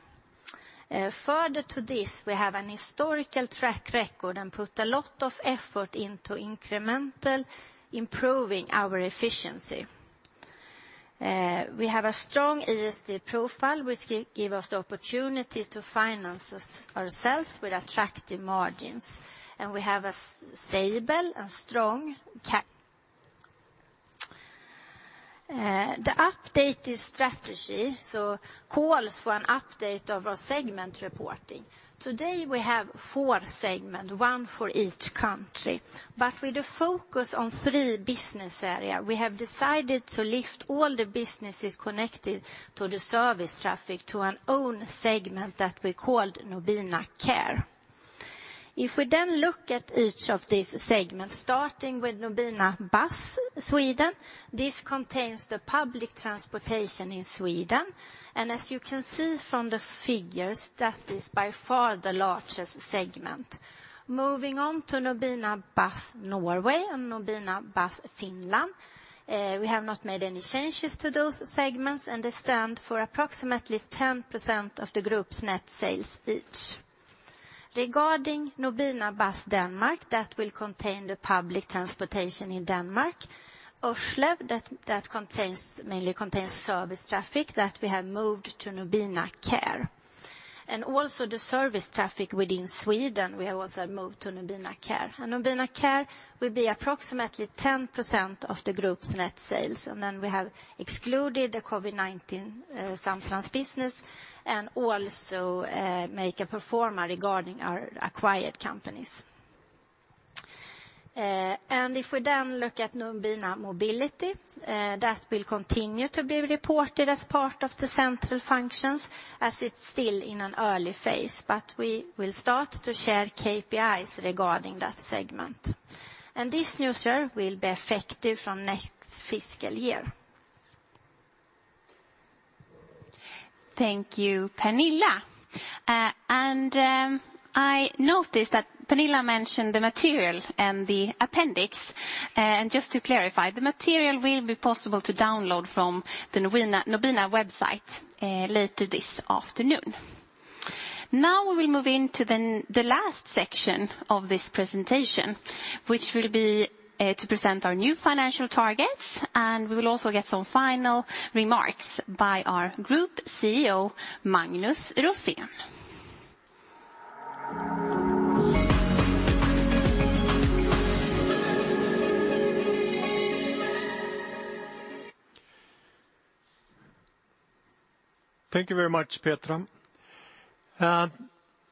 Further to this, we have an historical track record and put a lot of effort into incremental improving our efficiency. We have a strong ESG profile, which give us the opportunity to finance ourselves with attractive margins, and we have a stable and strong. The updated strategy calls for an update of our segment reporting. Today, we have four segment, one for each country. With the focus on three business area, we have decided to lift all the businesses connected to the service traffic to an own segment that we called Nobina Care. If we then look at each of these segments, starting with Nobina Bus Sweden, this contains the public transportation in Sweden. As you can see from the figures, that is by far the largest segment. Moving on to Nobina Bus Norway and Nobina Bus Finland, we have not made any changes to those segments and they stand for approximately 10% of the group's net sales each. Regarding Nobina Bus Denmark, that will contain the public transportation in Denmark. Örslev mainly contains service traffic that we have moved to Nobina Care. Also the service traffic within Sweden, we have also moved to Nobina Care. Nobina Care will be approximately 10% of the group's net sales. We have excluded the COVID-19 Samtrans business and also make a pro forma regarding our acquired companies. If we then look at Nobina Mobility, that will continue to be reported as part of the central functions as it's still in an early phase. We will start to share KPIs regarding that segment. This new share will be effective from next fiscal year. Thank you, Pernilla. I noticed that Pernilla mentioned the material and the appendix. Just to clarify, the material will be possible to download from the Nobina website later this afternoon. Now we will move into the last section of this presentation, which will be to present our new financial targets, and we will also get some final remarks by our Group CEO, Magnus Rosén. Thank you very much, Petra.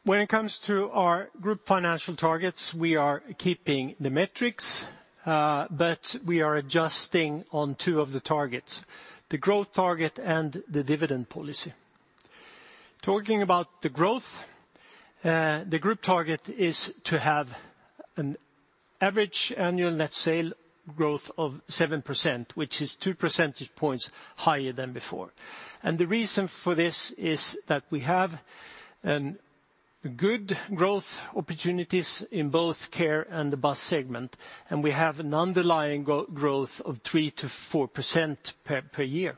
When it comes to our group financial targets, we are keeping the metrics, but we are adjusting on two of the targets, the growth target and the dividend policy. Talking about the growth, the group target is to have an average annual net sales growth of 7%, which is 2 percentage points higher than before. The reason for this is that we have good growth opportunities in both care and the bus segment, and we have an underlying growth of 3%-4% per year.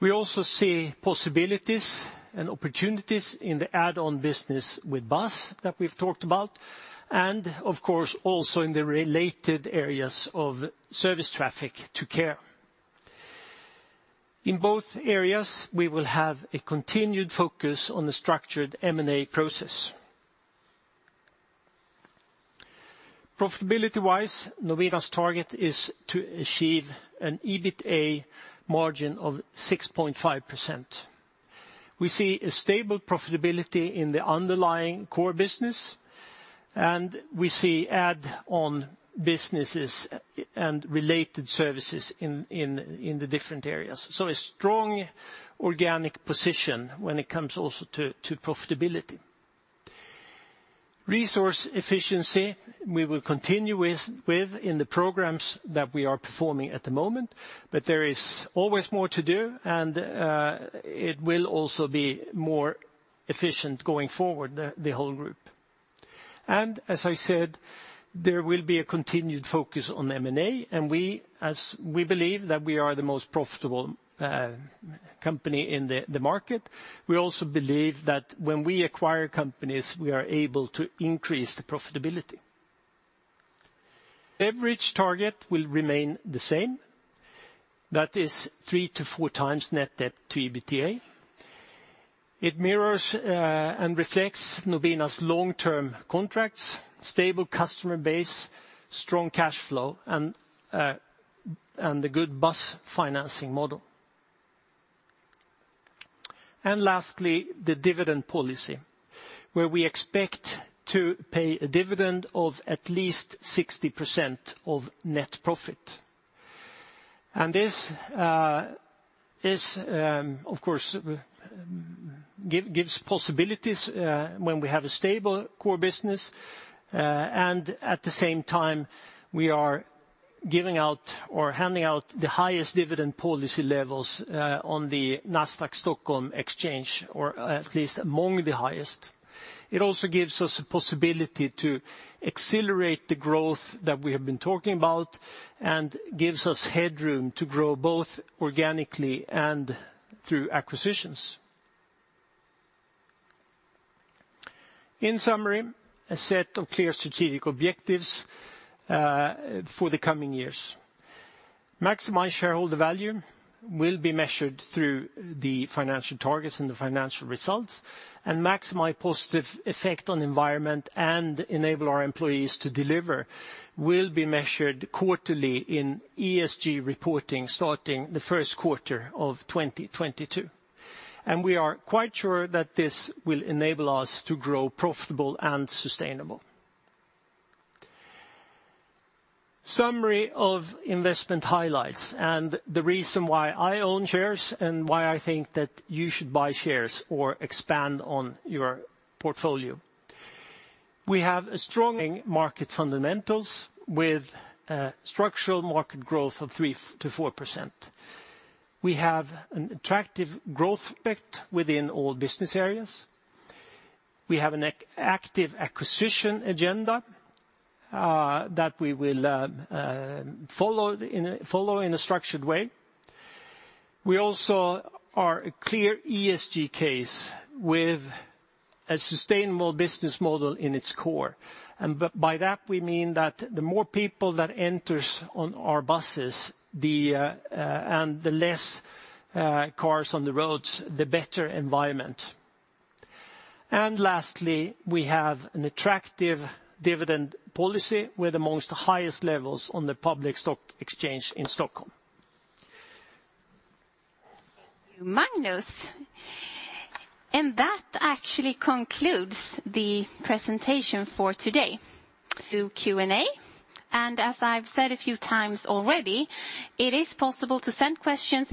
We also see possibilities and opportunities in the add-on business with bus, that we've talked about, and of course also in the related areas of service traffic to care. In both areas, we will have a continued focus on the structured M&A process. Profitability-wise, Nobina's target is to achieve an EBITA margin of 6.5%. We see a stable profitability in the underlying core business, and we see add-on businesses and related services in the different areas. A strong organic position when it comes also to profitability. Resource efficiency we will continue with in the programs that we are performing at the moment. There is always more to do, and it will also be more efficient going forward, the whole group. As I said, there will be a continued focus on M&A. We, as we believe that we are the most profitable company in the market, we also believe that when we acquire companies, we are able to increase the profitability. Leverage target will remain the same. That is 3-4x net debt to EBITDA. It mirrors and reflects Nobina's long-term contracts, stable customer base, strong cash flow, and the good bus financing model. Lastly, the dividend policy, where we expect to pay a dividend of at least 60% of net profit. This, of course, gives possibilities when we have a stable core business. At the same time, we are giving out or handing out the highest dividend policy levels on the Nasdaq Stockholm exchange, or at least among the highest. It also gives us a possibility to accelerate the growth that we have been talking about and gives us headroom to grow both organically and through acquisitions. In summary, a set of clear strategic objectives for the coming years. Maximized shareholder value will be measured through the financial targets and the financial results. Maximize positive effect on environment and enable our employees to deliver will be measured quarterly in ESG reporting starting the first quarter of 2022. We are quite sure that this will enable us to grow profitable and sustainable. Summary of investment highlights and the reason why I own shares and why I think that you should buy shares or expand on your portfolio. We have strong market fundamentals with structural market growth of 3%-4%. We have an attractive growth aspect within all business areas. We have an active acquisition agenda that we will follow in a structured way. We also are a clear ESG case with a sustainable business model in its core. By that, we mean that the more people that enters on our buses, the less cars on the roads, the better environment. Lastly, we have an attractive dividend policy with among the highest levels on the public stock exchange in Stockholm. Magnus. That actually concludes the presentation for today through Q&A. As I've said a few times already, it is possible to send questions.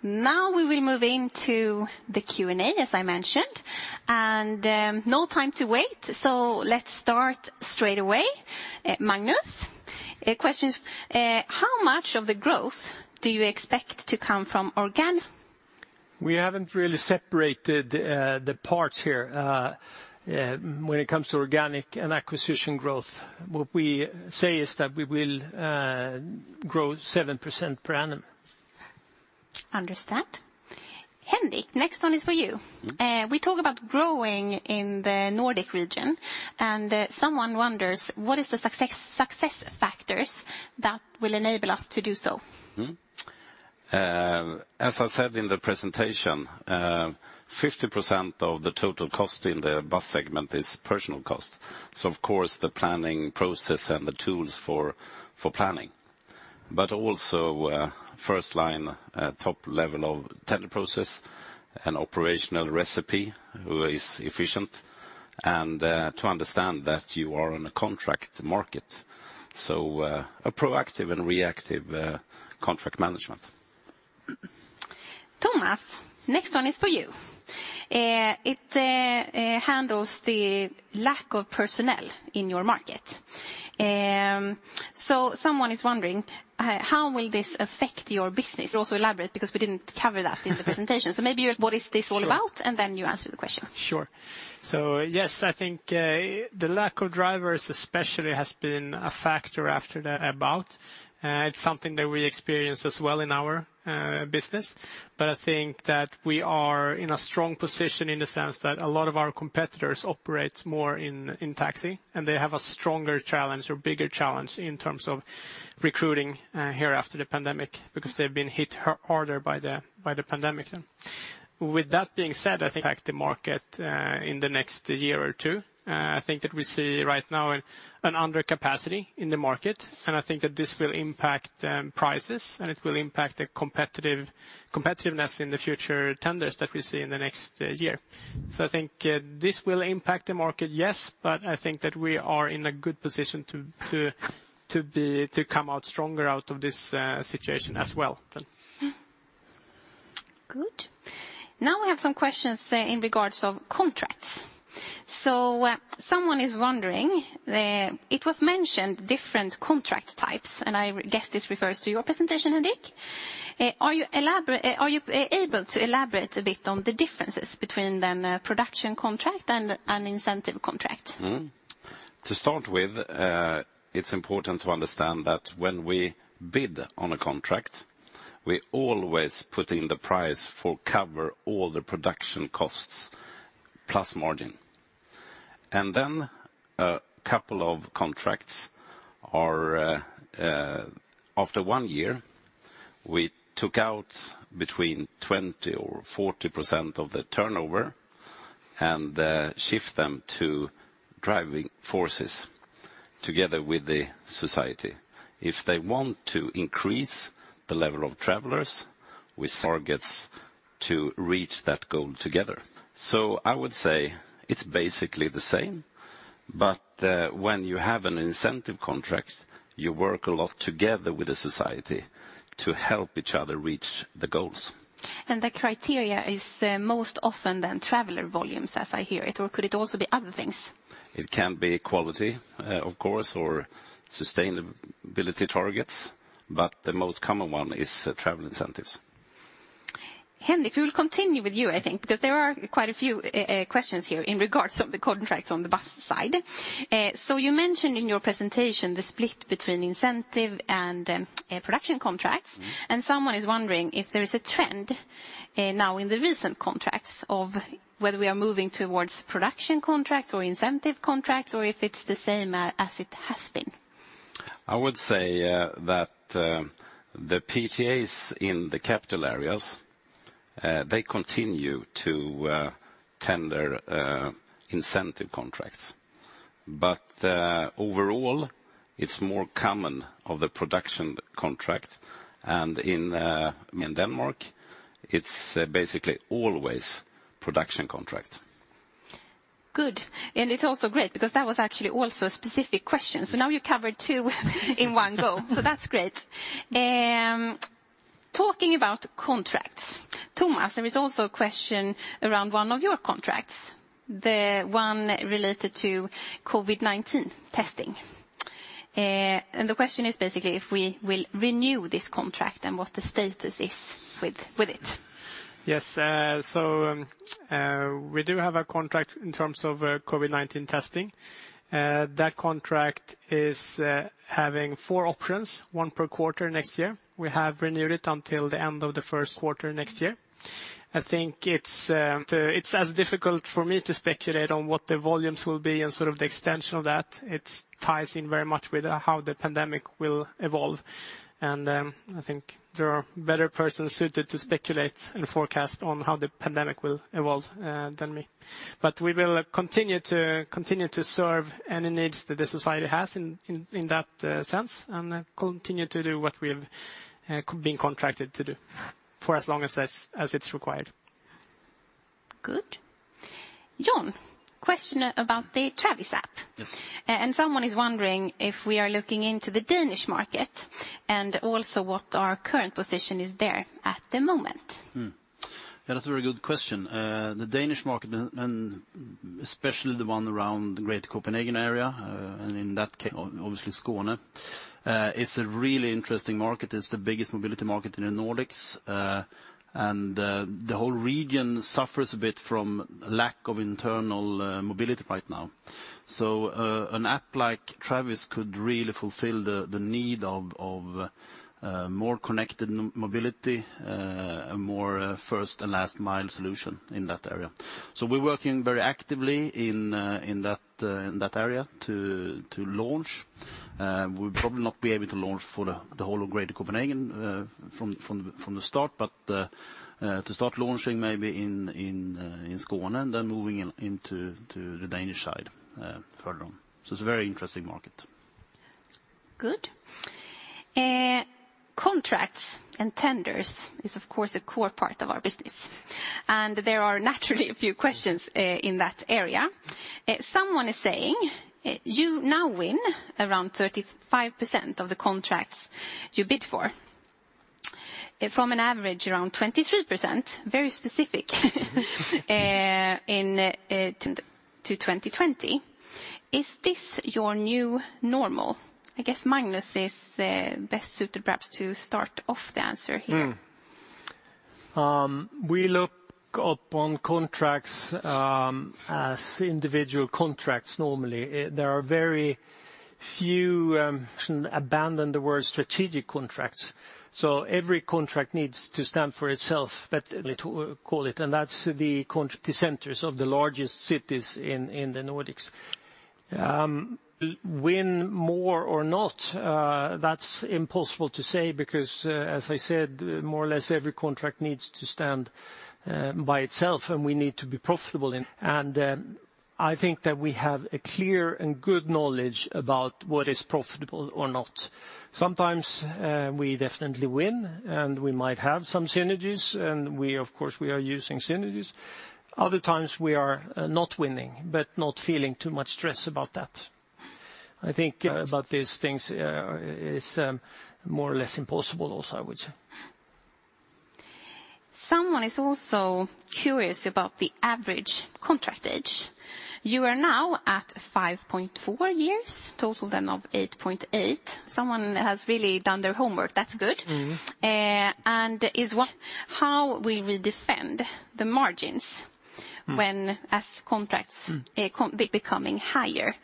Super. Now we will move into the Q&A, as I mentioned, and no time to wait, so let's start straight away. Magnus, a question is, how much of the growth do you expect to come from organic? We haven't really separated the parts here when it comes to organic and acquisition growth. What we say is that we will grow 7% per annum. Understand. Henrik, next one is for you. Mm. We talk about growing in the Nordic region, and someone wonders what is the success factors that will enable us to do so? As I said in the presentation, 50% of the total cost in the bus segment is personnel cost. Of course, the planning process and the tools for planning, but also first-line, top-level tender process and operational efficiency is efficient, and to understand that you are in a contract market. A proactive and reactive contract management. Tomas, next one is for you. It handles the lack of personnel in your market. Someone is wondering, how will this affect your business? Also elaborate, because we didn't cover that in the presentation. Maybe what is this all about, and then you answer the question. Sure. Yes, I think the lack of drivers especially has been a factor after the pandemic. It's something that we experience as well in our business, but I think that we are in a strong position in the sense that a lot of our competitors operate more in taxi, and they have a stronger challenge or bigger challenge in terms of recruiting here after the pandemic, because they've been hit harder by the pandemic. With that being said, I think the market in the next year or two. I think that we see right now an undercapacity in the market, and I think that this will impact prices, and it will impact the competitiveness in the future tenders that we see in the next year. I think this will impact the market, yes, but I think that we are in a good position to come out stronger out of this situation as well. Good. Now we have some questions regarding contracts. Someone is wondering, it was mentioned different contract types, and I guess this refers to your presentation, Henrik. Are you able to elaborate a bit on the differences between the production contract and an incentive contract? To start with, it's important to understand that when we bid on a contract, we always put in the price to cover all the production costs plus margin. Then a couple of contracts are, after one year, we took out between 20 or 40% of the turnover and shift them to driving forces together with the society. If they want to increase the level of travelers with targets to reach that goal together. I would say it's basically the same, but when you have an incentive contract, you work a lot together with the society to help each other reach the goals. The criteria is, more often than traveler volumes as I hear it, or could it also be other things? It can be quality, of course, or sustainability targets, but the most common one is travel incentives. Henrik, we will continue with you, I think, because there are quite a few questions here in regards of the contracts on the bus side. You mentioned in your presentation the split between incentive and production contracts. Mm-hmm. Someone is wondering if there is a trend now in the recent contracts of whether we are moving towards production contracts or incentive contracts or if it's the same as it has been. I would say that the PTAs in the capital areas they continue to tender incentive contracts. Overall, it's more common or the production contract and in, I mean, Denmark, it's basically always production contract. Good. It's also great because that was actually also a specific question. Now you covered two in one go. That's great. Talking about contracts, Tomas, there is also a question around one of your contracts, the one related to COVID-19 testing. The question is basically if we will renew this contract and what the status is with it. Yes. So, we do have a contract in terms of COVID-19 testing. That contract is having four options, one per quarter next year. We have renewed it until the end of the first quarter next year. I think it's as difficult for me to speculate on what the volumes will be and sort of the extension of that. It ties in very much with how the pandemic will evolve. I think there are better persons suited to speculate and forecast on how the pandemic will evolve than me. We will continue to serve any needs that the society has in that sense, and continue to do what we have been contracted to do for as long as it's required. Good. John, question about the Travis app. Yes. Someone is wondering if we are looking into the Danish market, and also what our current position is there at the moment. Yeah, that's a very good question. The Danish market, and especially the one around the greater Copenhagen area, and in that case, obviously Skåne, is a really interesting market. It's the biggest mobility market in the Nordics. The whole region suffers a bit from lack of internal mobility right now. An app like Travis could really fulfill the need of more connected mobility, more first and last mile solution in that area. We're working very actively in that area to launch. We'll probably not be able to launch for the whole of greater Copenhagen from the start, but to start launching maybe in Skåne, then moving into the Danish side further on. It's a very interesting market. Good. Contracts and tenders is of course a core part of our business, and there are naturally a few questions in that area. Someone is saying you now win around 35% of the contracts you bid for, from an average around 23%, very specific into 2020. Is this your new normal? I guess Magnus is best suited perhaps to start off the answer here. We look upon contracts as individual contracts normally. There are very few, shouldn't abandon the word strategic contracts, so every contract needs to stand for itself, but to call it, and that's the centers of the largest cities in the Nordics. Whether we win more or not, that's impossible to say because, as I said, more or less every contract needs to stand by itself, and we need to be profitable. I think that we have a clear and good knowledge about what is profitable or not. Sometimes we definitely win, and we might have some synergies, and we of course are using synergies. Other times we are not winning, but not feeling too much stress about that. I think about these things is more or less impossible also, I would say. Someone is also curious about the average contract age. You are now at 5.4 years, total then of 8.8. Someone has really done their homework. That's good. Mm-hmm. How will we defend the margins? Hmm. When as contracts. Hmm. Are they becoming higher?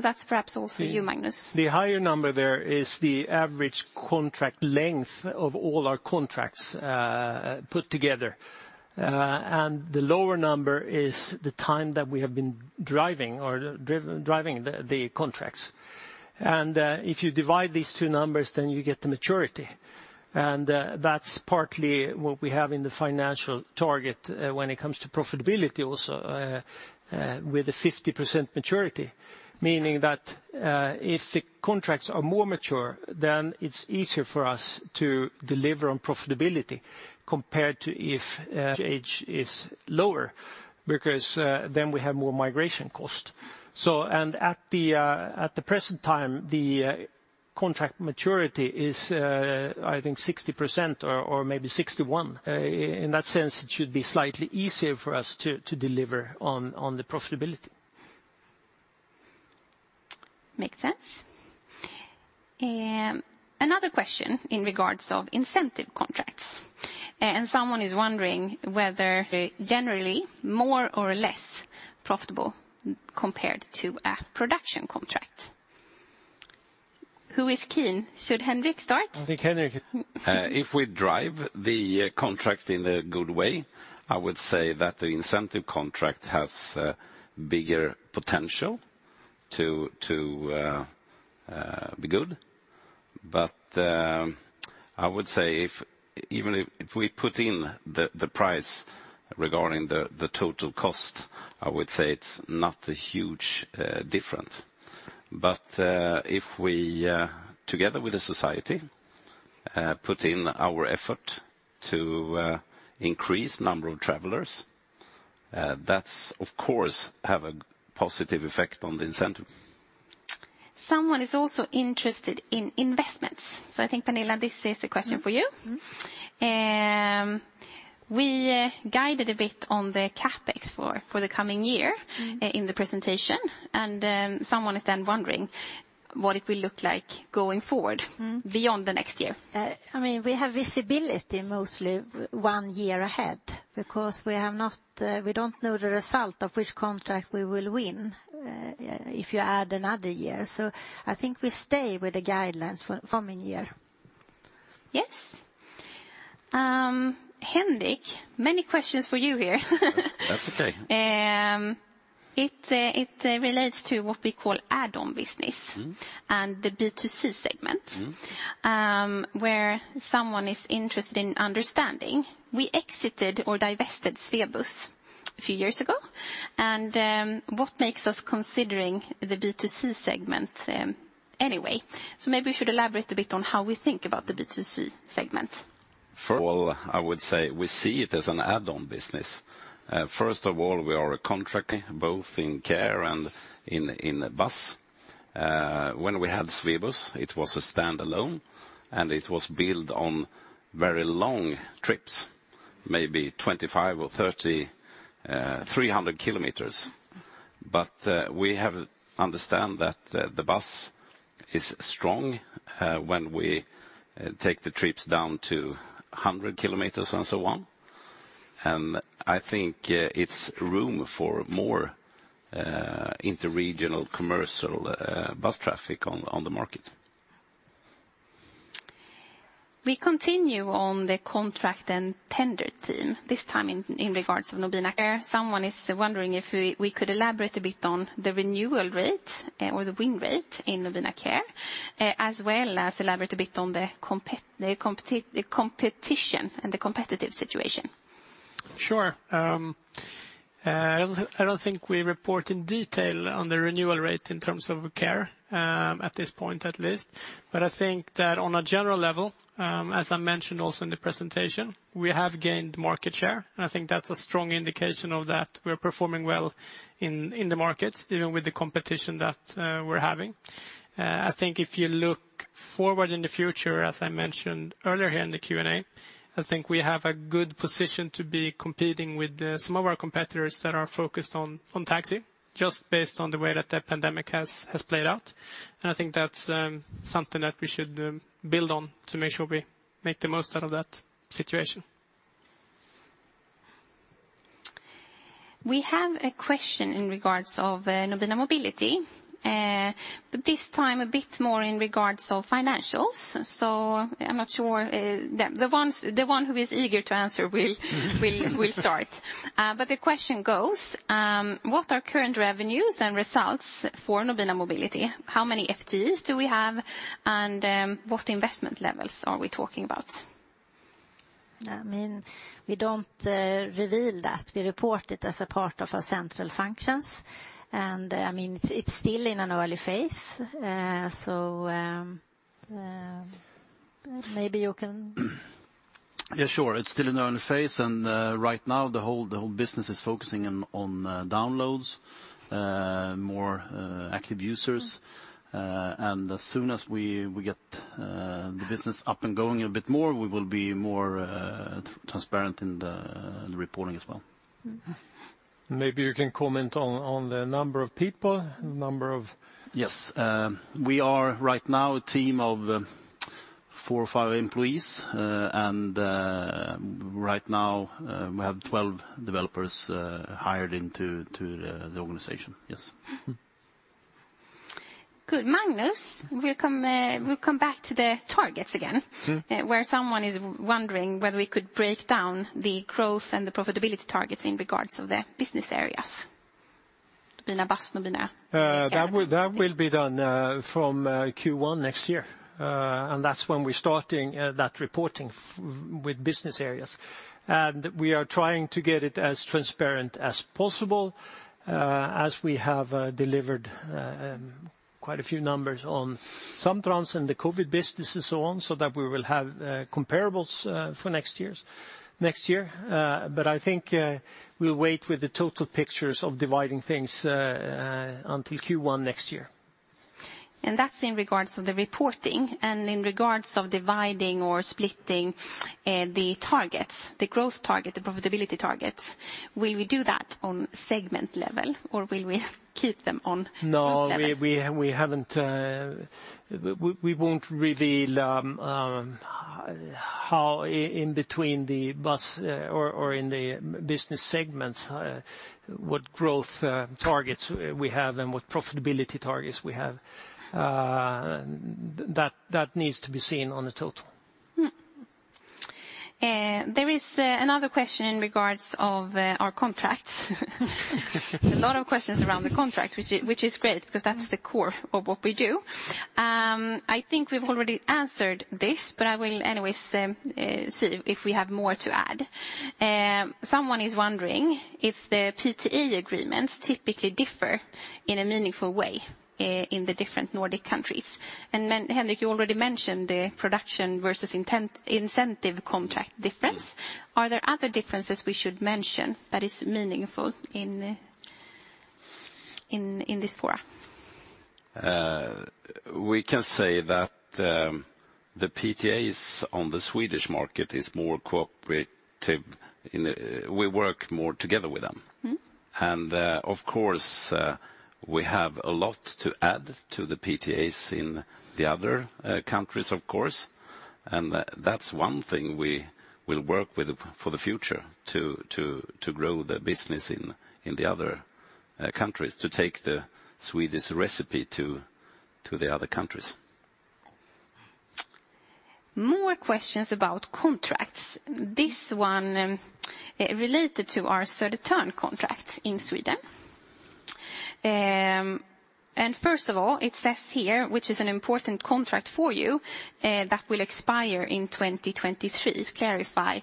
That's perhaps also you, Magnus. The higher number there is the average contract length of all our contracts put together. The lower number is the time that we have been driving the contracts. If you divide these two numbers, then you get the maturity, and that's partly what we have in the financial target when it comes to profitability also with a 50% maturity, meaning that if the contracts are more mature, then it's easier for us to deliver on profitability compared to if age is lower because then we have more migration cost. At the present time, the contract maturity is, I think, 60% or maybe 61%. In that sense, it should be slightly easier for us to deliver on the profitability. Makes sense. Another question in regards of incentive contracts, and someone is wondering whether generally more or less profitable compared to a production contract. Who is keen? Should Henrik start? I think Henrik. If we drive the contract in a good way, I would say that the incentive contract has a bigger potential to be good. I would say if we put in the price regarding the total cost, I would say it's not a huge difference. If we together with the society put in our effort to increase number of travelers, that's of course have a positive effect on the incentive. Someone is also interested in investments, so I think, Pernilla, this is a question for you. Mm-hmm. Mm-hmm. We guided a bit on the CapEx for the coming year. Mm-hmm. In the presentation, someone is then wondering what it will look like going forward. Mm-hmm. Beyond the next year. I mean, we have visibility mostly 1 year ahead because we don't know the result of which contract we will win, if you add another year. I think we stay with the guidelines for coming year. Yes. Henrik, many questions for you here. That's okay. It relates to what we call add-on business. Mm-hmm. the B2C segment Mm-hmm. where someone is interested in understanding, we exited or divested Swebus a few years ago. What makes us considering the B2C segment, anyway? Maybe we should elaborate a bit on how we think about the B2C segment. First of all, I would say we see it as an add-on business. First of all, we have contracts both in care and in bus. When we had Swebus, it was a standalone, and it was built on very long trips, maybe 300 km. We understand that the business is strong when we take the trips down to 100 km and so on. I think there's room for more interregional commercial bus traffic on the market. We continue on the contract and tender team, this time in regards to Nobina Care. Someone is wondering if we could elaborate a bit on the renewal rate, or the win rate in Nobina Care, as well as elaborate a bit on the competition and the competitive situation. Sure. I don't think we report in detail on the renewal rate in terms of care at this point at least. I think that on a general level, as I mentioned also in the presentation, we have gained market share, and I think that's a strong indication of that we are performing well in the market, even with the competition that we're having. I think if you look forward in the future, as I mentioned earlier here in the Q&A, I think we have a good position to be competing with some of our competitors that are focused on taxi, just based on the way that the pandemic has played out. I think that's something that we should build on to make sure we make the most out of that situation. We have a question in regards of Nobina Mobility, but this time a bit more in regards of financials. I'm not sure the one who is eager to answer will start. But the question goes, what are current revenues and results for Nobina Mobility? How many FTEs do we have? What investment levels are we talking about? I mean, we don't reveal that. We report it as a part of our central functions. I mean, it's still in an early phase. Maybe you can... Yeah, sure. It's still in an early phase, and right now the whole business is focusing on downloads, more active users. As soon as we get the business up and going a bit more, we will be more transparent in the reporting as well. Mm-hmm. Maybe you can comment on the number of people. Yes. We are right now a team of four or five employees. Right now, we have 12 developers hired into the organization. Yes. Good. Magnus, we'll come back to the targets again. Mm-hmm. where someone is wondering whether we could break down the growth and the profitability targets in regards of the business areas. Nobina Bus, Nobina Care. That will be done from Q1 next year. That's when we're starting that reporting with business areas. We are trying to get it as transparent as possible, as we have delivered quite a few numbers on Samtrans and the COVID business and so on, so that we will have comparables for next year. I think we'll wait with the total pictures of dividing things until Q1 next year. That's in regard to the reporting. In regard to dividing or splitting the targets, the growth target, the profitability targets, will we do that on segment level, or will we keep them on group level? No, we haven't. We won't reveal how in between the bus or in the business segments what growth targets we have and what profitability targets we have. That needs to be seen on the total. There is another question in regards of our contract. A lot of questions around the contract, which is great because that's the core of what we do. I think we've already answered this, but I will anyways see if we have more to add. Someone is wondering if the PTA agreements typically differ in a meaningful way in the different Nordic countries. Then Henrik, you already mentioned the production versus incentive contract difference. Are there other differences we should mention that is meaningful in this forum? We can say that the PTAs on the Swedish market is more cooperative. We work more together with them. Mm-hmm. Of course, we have a lot to add to the PTAs in the other countries, of course. That's one thing we will work with for the future to grow the business in the other countries, to take the Swedish recipe to the other countries. More questions about contracts. This one, related to our Södertörn contract in Sweden. First of all, it says here, which is an important contract for you, that will expire in 2023. Clarify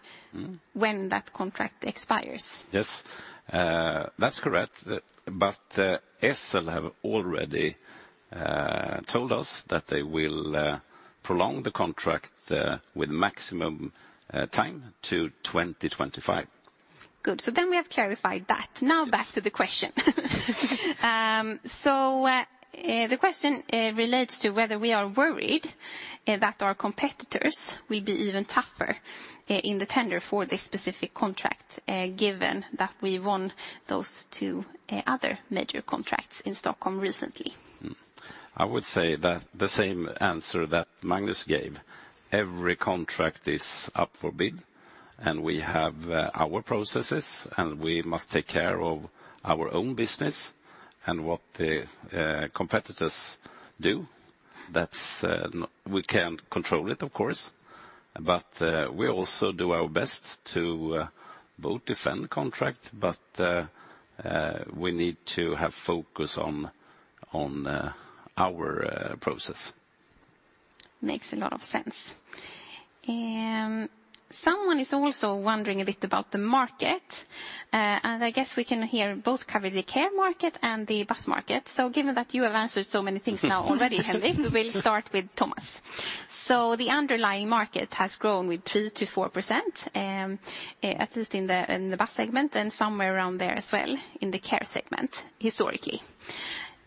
when that contract expires. Yes, that's correct. SL have already told us that they will prolong the contract with maximum time to 2025. Good. We have clarified that. Now back to the question. The question relates to whether we are worried that our competitors will be even tougher in the tender for this specific contract, given that we won those two other major contracts in Stockholm recently. I would say that the same answer that Magnus gave, every contract is up for bid, and we have our processes, and we must take care of our own business. What the competitors do, that's, we can't control it, of course, but we also do our best to both defend contract, but we need to have focus on our process. Makes a lot of sense. Someone is also wondering a bit about the market. I guess we can here both cover the care market and the bus market. Given that you have answered so many things now already, Henrik, we will start with Tomas. The underlying market has grown with 3%-4%, at least in the bus segment, and somewhere around there as well in the care segment historically.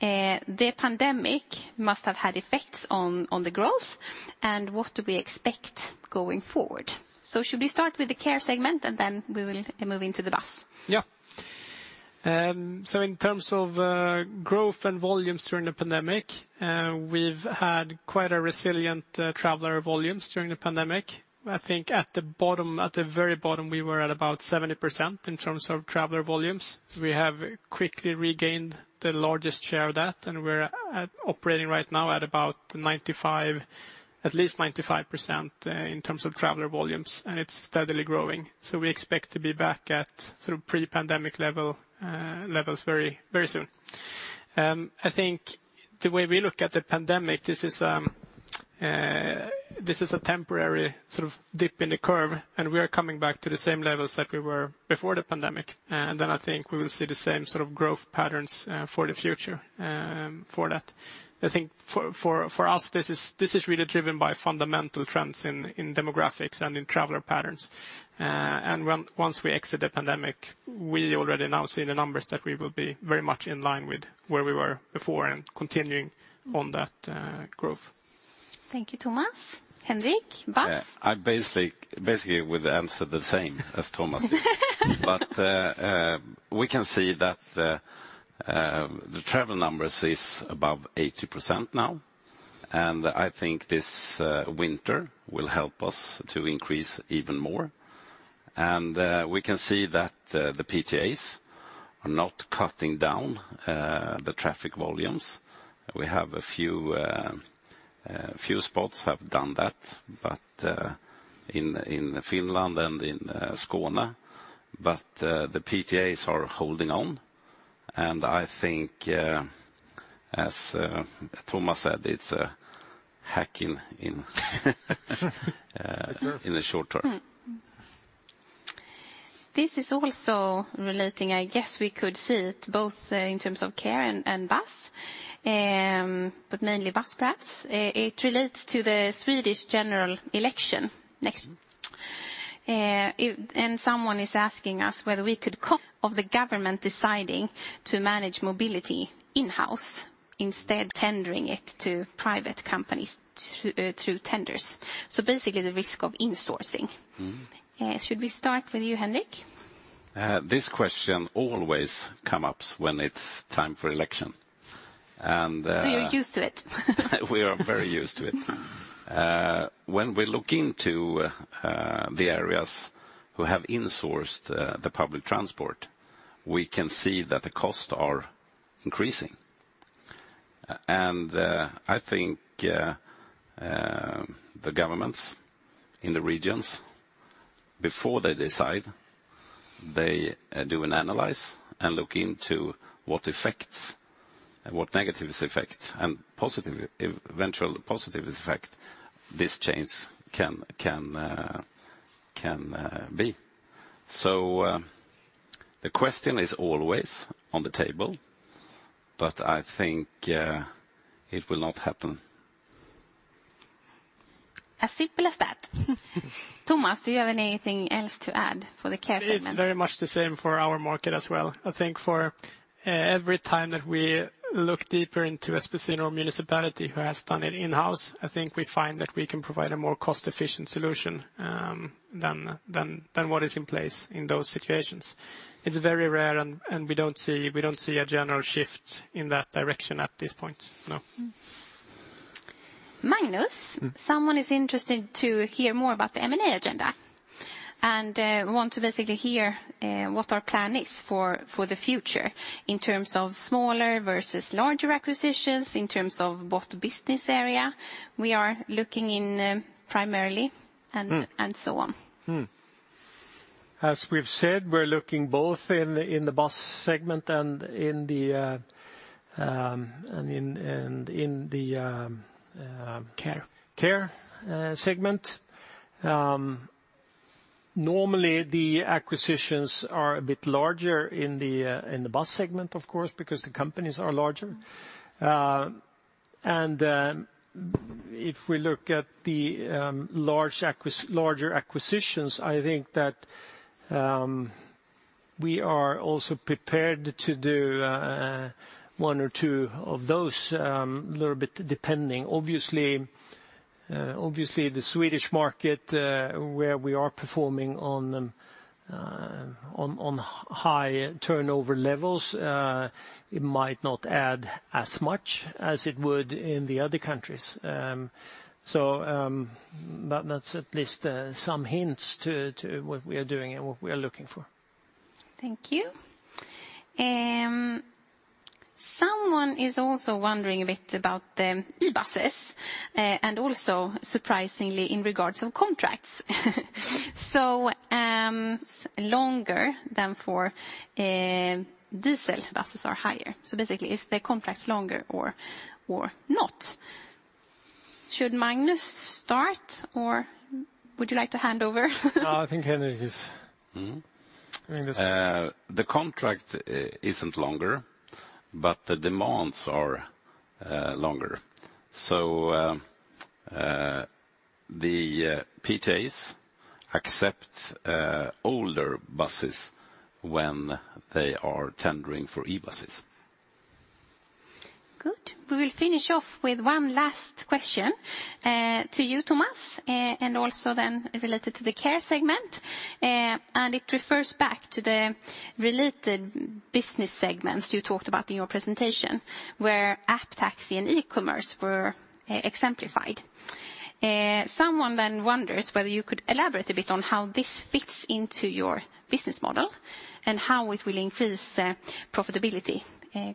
The pandemic must have had effects on the growth. What do we expect going forward? Should we start with the care segment, and then we will move into the bus? Yeah. In terms of growth and volumes during the pandemic, we've had quite a resilient traveler volumes during the pandemic. I think at the very bottom, we were at about 70% in terms of traveler volumes. We have quickly regained the largest share of that, and we're operating right now at about 95, at least 95% in terms of traveler volumes, and it's steadily growing. We expect to be back at sort of pre-pandemic levels very, very soon. I think the way we look at the pandemic, this is a temporary sort of dip in the curve, and we are coming back to the same levels that we were before the pandemic. I think we will see the same sort of growth patterns for the future for that. I think for us, this is really driven by fundamental trends in demographics and in traveler patterns. Once we exit the pandemic, we already now see the numbers that we will be very much in line with where we were before and continuing on that growth. Thank you, Tomas. Henrik, bus? Yeah. I basically would answer the same as Tomas did. We can see that the travel numbers is above 80% now, and I think this winter will help us to increase even more. We can see that the PTAs are not cutting down the traffic volumes. We have a few spots have done that, but in Finland and in Skåne, but the PTAs are holding on. I think as Tomas said, it's a hiccup in- The curve. In the short term. This is also relating. I guess we could see it both in terms of care and bus, but mainly bus perhaps. It relates to the Swedish general election next. Someone is asking us whether we could As we've said, we're looking both in the bus segment and in the. Care. Care, segment. Normally the acquisitions are a bit larger in the bus segment, of course, because the companies are larger. If we look at the larger acquisitions, I think that we are also prepared to do one or two of those, a little bit depending. Obviously the Swedish market, where we are performing on high turnover levels, it might not add as much as it would in the other countries. That's at least some hints to what we are doing and what we are looking for. Thank you. Someone is also wondering a bit about the buses, and also surprisingly in regards of contracts. Longer than for diesel buses are higher. Basically is the contracts longer or not? Should Magnus start, or would you like to hand over? No, I think the contract isn't longer, but the demands are longer. The PTAs accept older buses when they are tendering for e-buses. Good. We will finish off with one last question to you, Tomas, and also then related to the care segment. It refers back to the related business segments you talked about in your presentation, where app taxi and e-commerce were exemplified. Someone then wonders whether you could elaborate a bit on how this fits into your business model and how it will increase profitability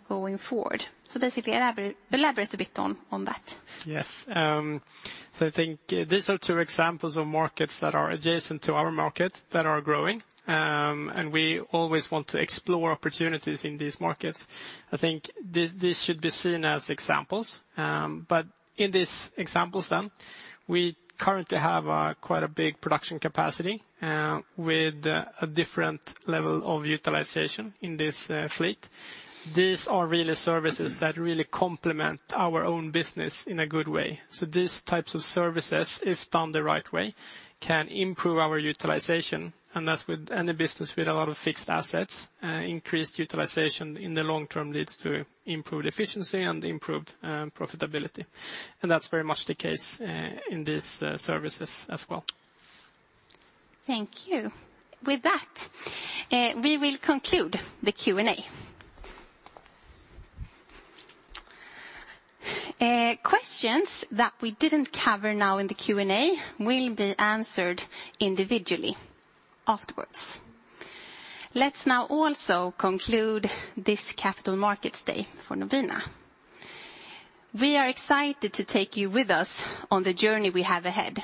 going forward. Basically elaborate a bit on that. Yes. I think these are two examples of markets that are adjacent to our market that are growing, and we always want to explore opportunities in these markets. I think these should be seen as examples. In these examples then, we currently have quite a big production capacity with a different level of utilization in this fleet. These are really services that really complement our own business in a good way. These types of services, if done the right way, can improve our utilization. As with any business with a lot of fixed assets, increased utilization in the long term leads to improved efficiency and improved profitability. That's very much the case in these services as well. Thank you. With that, we will conclude the Q&A. Questions that we didn't cover now in the Q&A will be answered individually afterwards. Let's now also conclude this Capital Markets Day for Nobina. We are excited to take you with us on the journey we have ahead.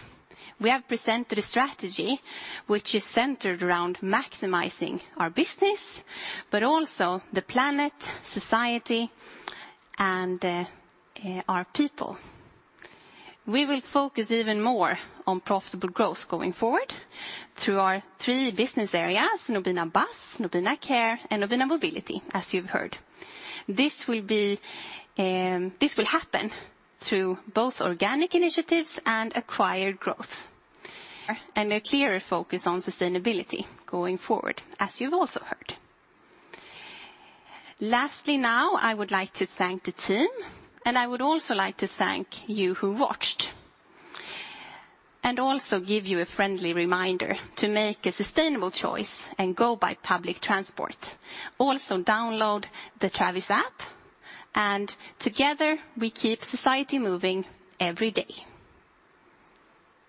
We have presented a strategy which is centered around maximizing our business, but also the planet, society, and our people. We will focus even more on profitable growth going forward through our three business areas Nobina Bus, Nobina Care, and Nobina Mobility, as you've heard. This will happen through both organic initiatives and acquired growth, and a clearer focus on sustainability going forward, as you've also heard. Lastly, now, I would like to thank the team, and I would also like to thank you who watched. Also give you a friendly reminder to make a sustainable choice and go by public transport. Also, download the Travis app, and together we keep society moving every day.